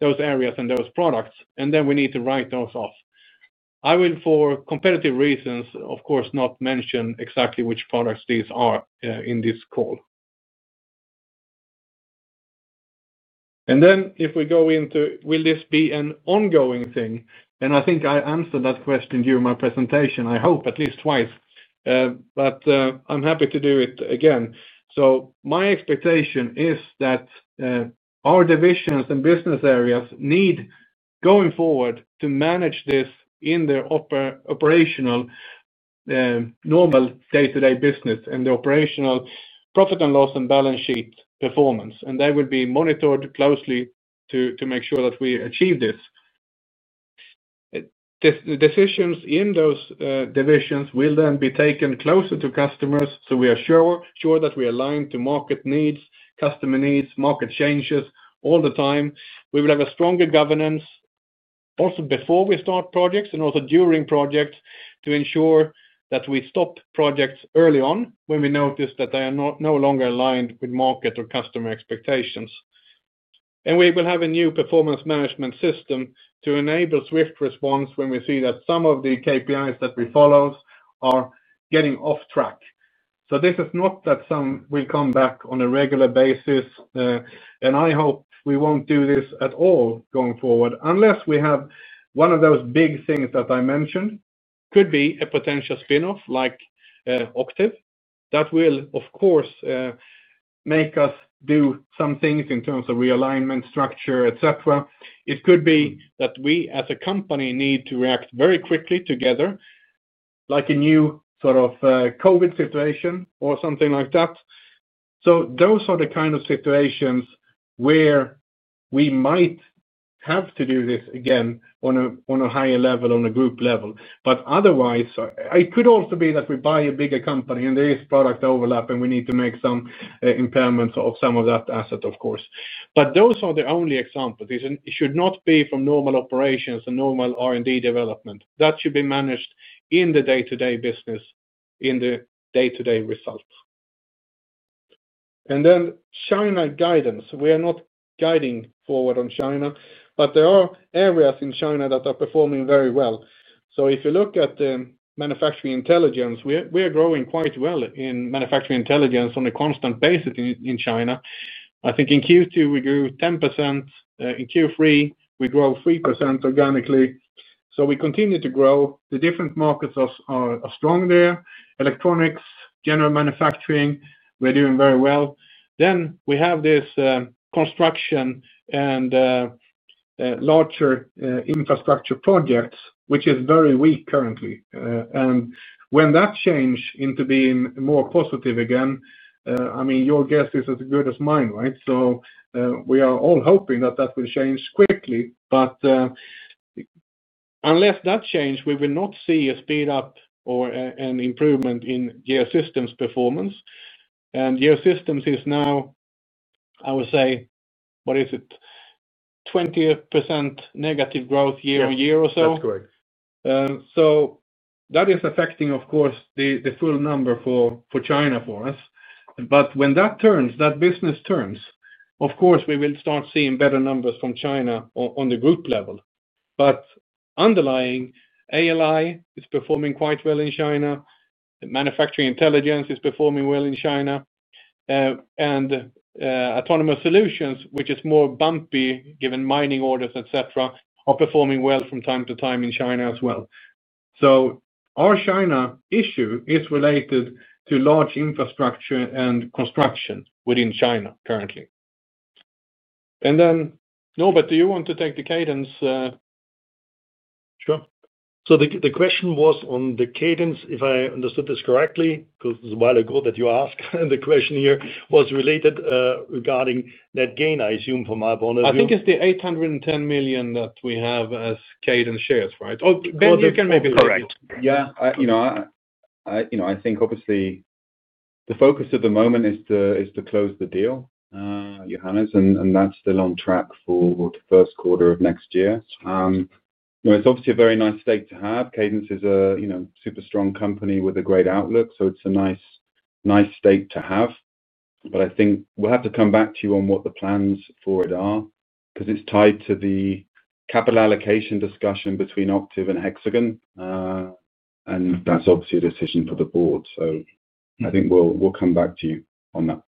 areas and those products, and then we need to write those off. I will, for competitive reasons, of course, not mention exactly which products these are in this call. If we go into, will this be an ongoing thing? I think I answered that question during my presentation, I hope, at least twice. I'm happy to do it again. My expectation is that our divisions and business areas need, going forward, to manage this in their operational normal day-to-day business and the operational profit and loss and balance sheet performance. They will be monitored closely to make sure that we achieve this. The decisions in those divisions will then be taken closer to customers so we are sure that we align to market needs, customer needs, market changes all the time. We will have a stronger governance also before we start projects and also during projects to ensure that we stop projects early on when we notice that they are no longer aligned with market or customer expectations. We will have a new performance management system to enable swift response when we see that some of the KPIs that we follow are getting off track. This is not something that will come back on a regular basis. I hope we won't do this at all going forward unless we have one of those big things that I mentioned. It could be a potential spin-off like Octave that will, of course, make us do some things in terms of realignment structure, et cetera. It could be that we, as a company, need to react very quickly together, like a new sort of COVID situation or something like that. Those are the kind of situations where we might have to do this again on a higher level, on a group level. Otherwise, it could also be that we buy a bigger company and there is product overlap and we need to make some impairments of some of that asset, of course. Those are the only examples. It should not be from normal operations and normal R&D development. That should be managed in the day-to-day business, in the day-to-day results. Regarding China guidance, we are not guiding forward on China, but there are areas in China that are performing very well. If you look at the manufacturing intelligence, we are growing quite well in manufacturing intelligence on a constant basis in China. I think in Q2, we grew 10%. In Q3, we grow 3% organically. We continue to grow. The different markets are strong there. Electronics, general manufacturing, we're doing very well. We have this construction and larger infrastructure projects, which is very weak currently. When that changes into being more positive again, your guess is as good as mine, right? We are all hoping that will change quickly. Unless that changes, we will not see a speed up or an improvement in Geosystems' performance. Geosystems is now, I would say, what is it, 20%- growth year on year or so. That's correct. That is affecting, of course, the full number for China for us. When that business turns, of course, we will start seeing better numbers from China on the group level. Underlying, ALI is performing quite well in China. Manufacturing Intelligence is performing well in China. Autonomous Solutions, which is more bumpy given mining orders, et cetera, are performing well from time to time in China as well. Our China issue is related to large infrastructure and construction within China currently. Norbert, do you want to take the Cadence? Sure. The question was on the Cadence, if I understood this correctly, because it was a while ago that you asked the question here, was related regarding net gain, I assume, from my point of view. I think it's the 810 million that we have as Cadence shares, right? Maybe you can correct me. You know. I think, obviously, the focus at the moment is to close the deal, Johannes, and that's still on track for the first quarter of next year. It's obviously a very nice stake to have. Cadence is a super strong company with a great outlook. It's a nice stake to have. I think we'll have to come back to you on what the plans for it are because it's tied to the capital allocation discussion between Octave and Hexagon. That's obviously a decision for the board. I think we'll come back to you on that.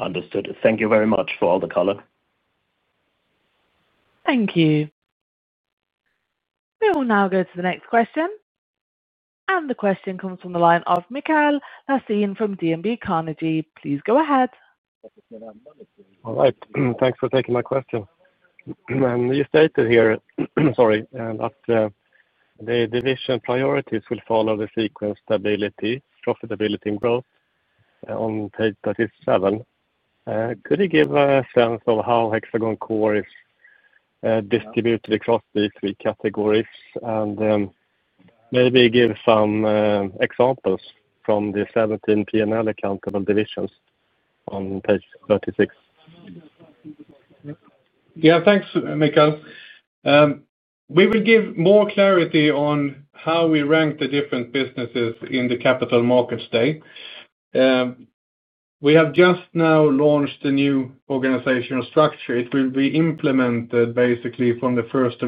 Understood. Thank you very much for all the color. Thank you. We will now go to the next question. The question comes from the line of Mikael Laséen from DNB Carnegie. Please go ahead. All right. Thanks for taking my question. You stated here, sorry, that the division priorities will follow the sequence: stability, profitability, and growth on page 37. Could you give a sense of how Hexagon Core is distributed across these three categories? Maybe give some examples from the 17 P&L-accountable divisions on page 36. Yeah. Thanks, Mikael. We will give more clarity on how we rank the different businesses in the Capital Markets Day. We have just now launched a new organizational structure. It will be implemented basically from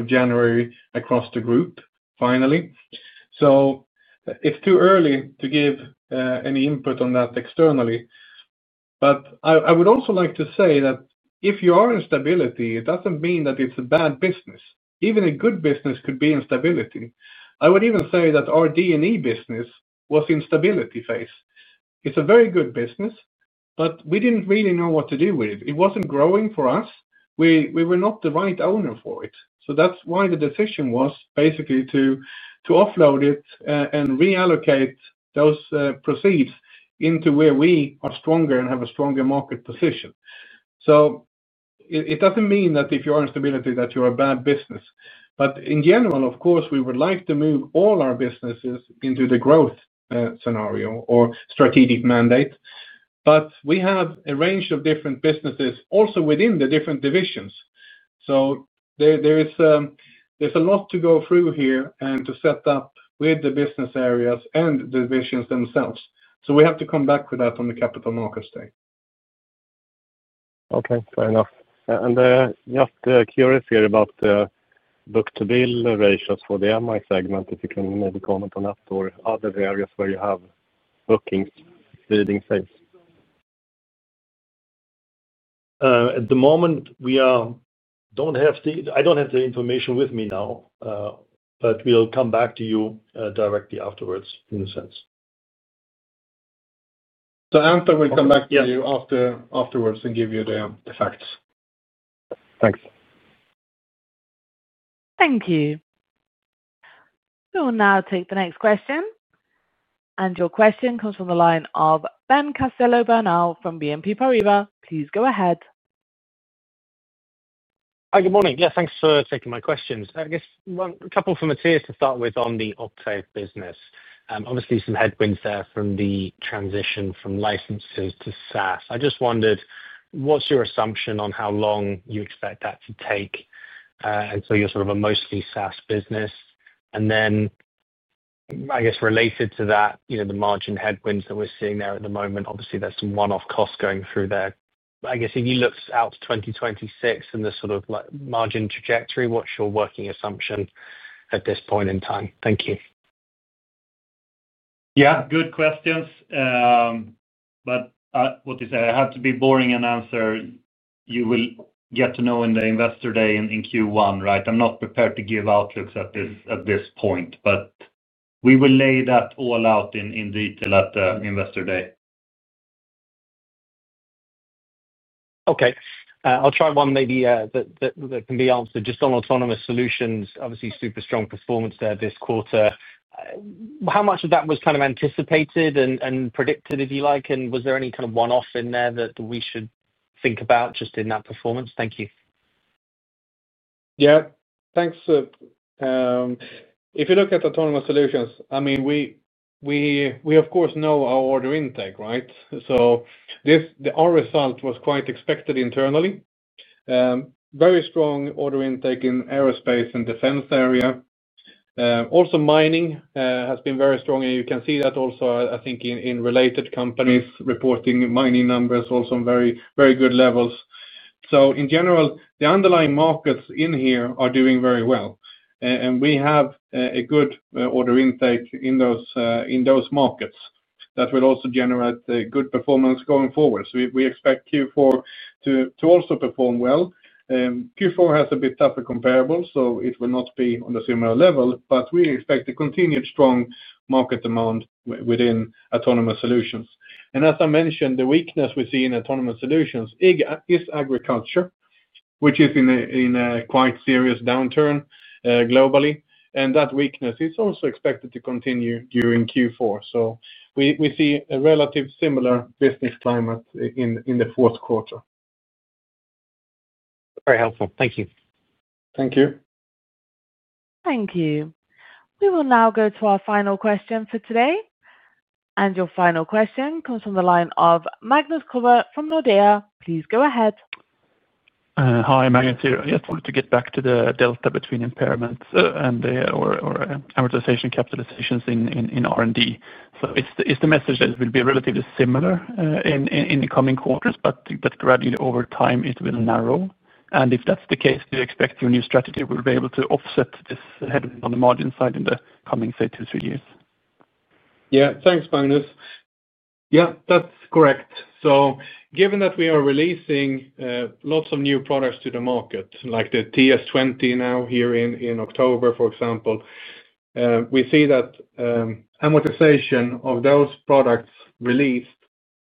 January 1 across the group, finally. It is too early to give any input on that externally. I would also like to say that if you are in stability, it doesn't mean that it's a bad business. Even a good business could be in stability. I would even say that our D&E business was in stability phase. It's a very good business, but we didn't really know what to do with it. It wasn't growing for us. We were not the right owner for it. That is why the decision was basically to offload it and reallocate those proceeds into where we are stronger and have a stronger market position. It doesn't mean that if you are in stability, that you're a bad business. In general, of course, we would like to move all our businesses into the growth scenario or strategic mandate. We have a range of different businesses also within the different divisions. There is a lot to go through here and to set up with the business areas and the divisions themselves. We have to come back with that on the Capital Markets Day. Okay. Fair enough. Just curious here about the book-to-bill ratios for the MI segment, if you can maybe comment on that or other areas where you have bookings leading phase. At the moment, we don't have the information with me now, but we'll come back to you directly afterwards. Anthem will come back to you afterwards and give you the facts. Thanks. Thank you. We will now take the next question. Your question comes from the line of Ben Castillo-Bernaus from BNP Paribas. Please go ahead. Hi. Good morning. Thanks for taking my questions. I guess a couple for Mattias to start with on the Octave business. Obviously, some headwinds there from the transition from licenses to SaaS. I just wondered, what's your assumption on how long you expect that to take until you're sort of a mostly SaaS business? Related to that, you know the margin headwinds that we're seeing there at the moment, obviously, there's some one-off costs going through there. If you look out to 2026 and the sort of like margin trajectory, what's your working assumption at this point in time? Thank you. Good questions. What is it? I have to be boring and answer. You will get to know in the investor day in Q1, right? I'm not prepared to give outlooks at this point. We will lay that all out in detail at the Investor Day. Okay. I'll try one maybe that can be answered. Just on Autonomous Solutions, obviously, super strong performance there this quarter. How much of that was kind of anticipated and predicted, if you like? Was there any kind of one-off in there that we should think about just in that performance? Thank you. Thanks. If you look at Autonomous Solutions, we of course know our order intake, right? This result was quite expected internally. Very strong order intake in aerospace and defense area. Also, mining has been very strong. You can see that also, I think, in related companies reporting mining numbers also on very, very good levels. In general, the underlying markets in here are doing very well. We have a good order intake in those markets that will also generate good performance going forward. We expect Q4 to also perform well. Q4 has a bit tougher comparables, so it will not be on the similar level. We expect a continued strong market demand within Autonomous Solutions. As I mentioned, the weakness we see in Autonomous Solutions is agriculture, which is in a quite serious downturn globally. That weakness is also expected to continue during Q4. We see a relative similar business climate in the fourth quarter. Very helpful. Thank you. Thank you. Thank you. We will now go to our final question for today. Your final question comes from the line of Magnus Kruber from Nordea. Please go ahead. Hi, Magnus here. I just wanted to get back to the delta between impairments and the amortization capitalizations in R&D. Is the message that it will be relatively similar in the coming quarters, but gradually, over time, it will narrow? If that's the case, do you expect your new strategy will be able to offset this headwind on the margin side in the coming, say, two, three years? Yeah. Thanks, Magnus. Yeah. That's correct. Given that we are releasing lots of new products to the market, like the TS20 now here in October, for example, we see that amortization of those products released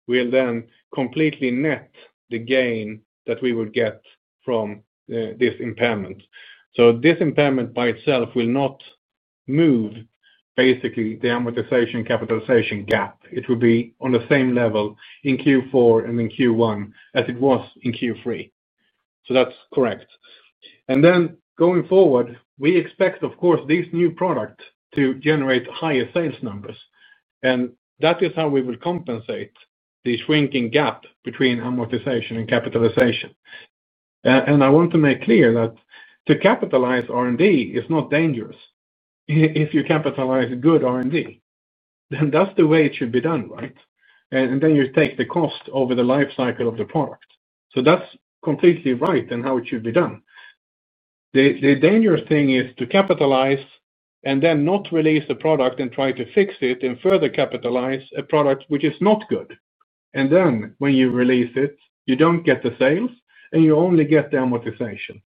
will then completely net the gain that we would get from this impairment. This impairment by itself will not move, basically, the amortization capitalization gap. It will be on the same level in Q4 and in Q1 as it was in Q3. That's correct. Going forward, we expect, of course, this new product to generate higher sales numbers. That is how we will compensate the shrinking gap between amortization and capitalization. I want to make clear that to capitalize R&D is not dangerous. If you capitalize good R&D, then that's the way it should be done, right? You take the cost over the life cycle of the product. That's completely right in how it should be done. The dangerous thing is to capitalize and then not release a product and try to fix it and further capitalize a product which is not good. When you release it, you don't get the sales, and you only get the amortization.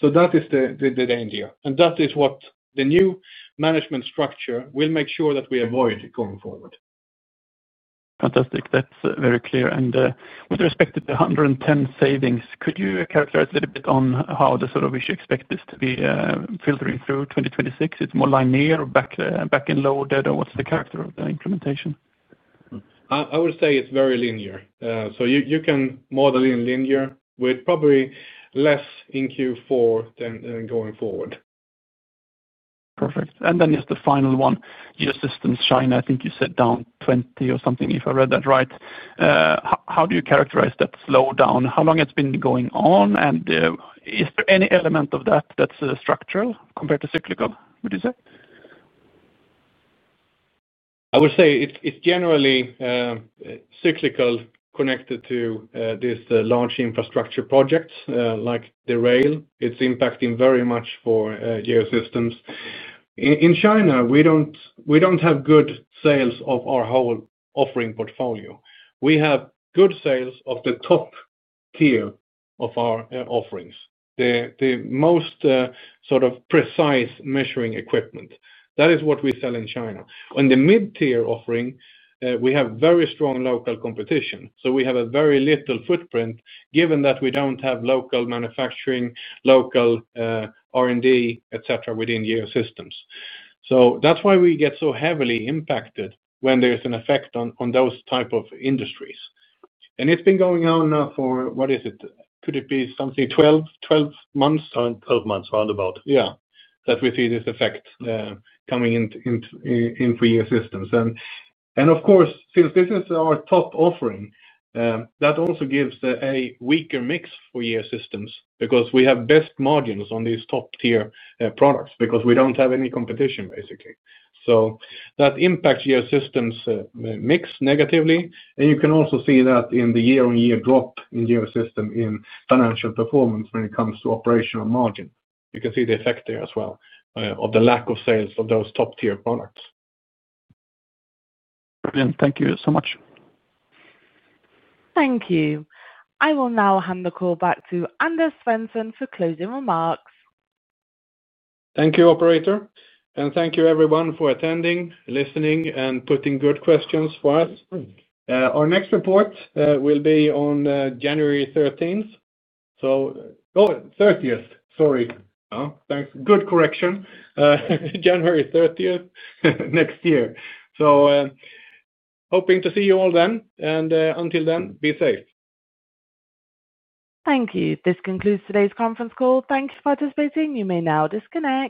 That is the danger. That is what the new management structure will make sure that we avoid going forward. Fantastic. That's very clear. With respect to the 110 million savings, could you characterize a little bit on how we should expect this to be filtering through 2026? Is it more linear or back-end loaded? What's the character of the implementation? I would say it's very linear. You can model in linear with probably less in Q4 than going forward. Perfect. Just the final one, Geosystems China, I think you said down 20% or something, if I read that right. How do you characterize that slowdown? How long it's been going on? Is there any element of that that's structural compared to cyclical, would you say? I would say it's generally cyclical, connected to this launch infrastructure project, like the rail. It's impacting very much for Geosystems. In China, we don't have good sales of our whole offering portfolio. We have good sales of the top tier of our offerings, the most sort of precise measuring equipment. That is what we sell in China. On the mid-tier offering, we have very strong local competition. We have a very little footprint given that we don't have local manufacturing, local R&D, et cetera, within Geosystems. That's why we get so heavily impacted when there is an effect on those types of industries. It's been going on now for, what is it? Could it be something like 12 months? 12 months, roundabout. Yeah, we see this effect coming into Geosystems. Of course, since this is our top offering, that also gives a weaker mix for Geosystems because we have best margins on these top-tier products because we don't have any competition, basically. That impacts Geosystems' mix negatively. You can also see that in the year-on-year drop in Geosystems in financial performance when it comes to operating margin. You can see the effect there as well of the lack of sales of those top-tier products. Thank you so much. Thank you. I will now hand the call back to Anders Svensson for closing remarks. Thank you, operator. Thank you, everyone, for attending, listening, and putting good questions for us. Our next report will be on January 13th. Oh, 30th, sorry. Thanks. Good correction. January 30th next year. Hoping to see you all then. Until then, be safe. Thank you. This concludes today's conference call. Thank you for participating. You may now disconnect.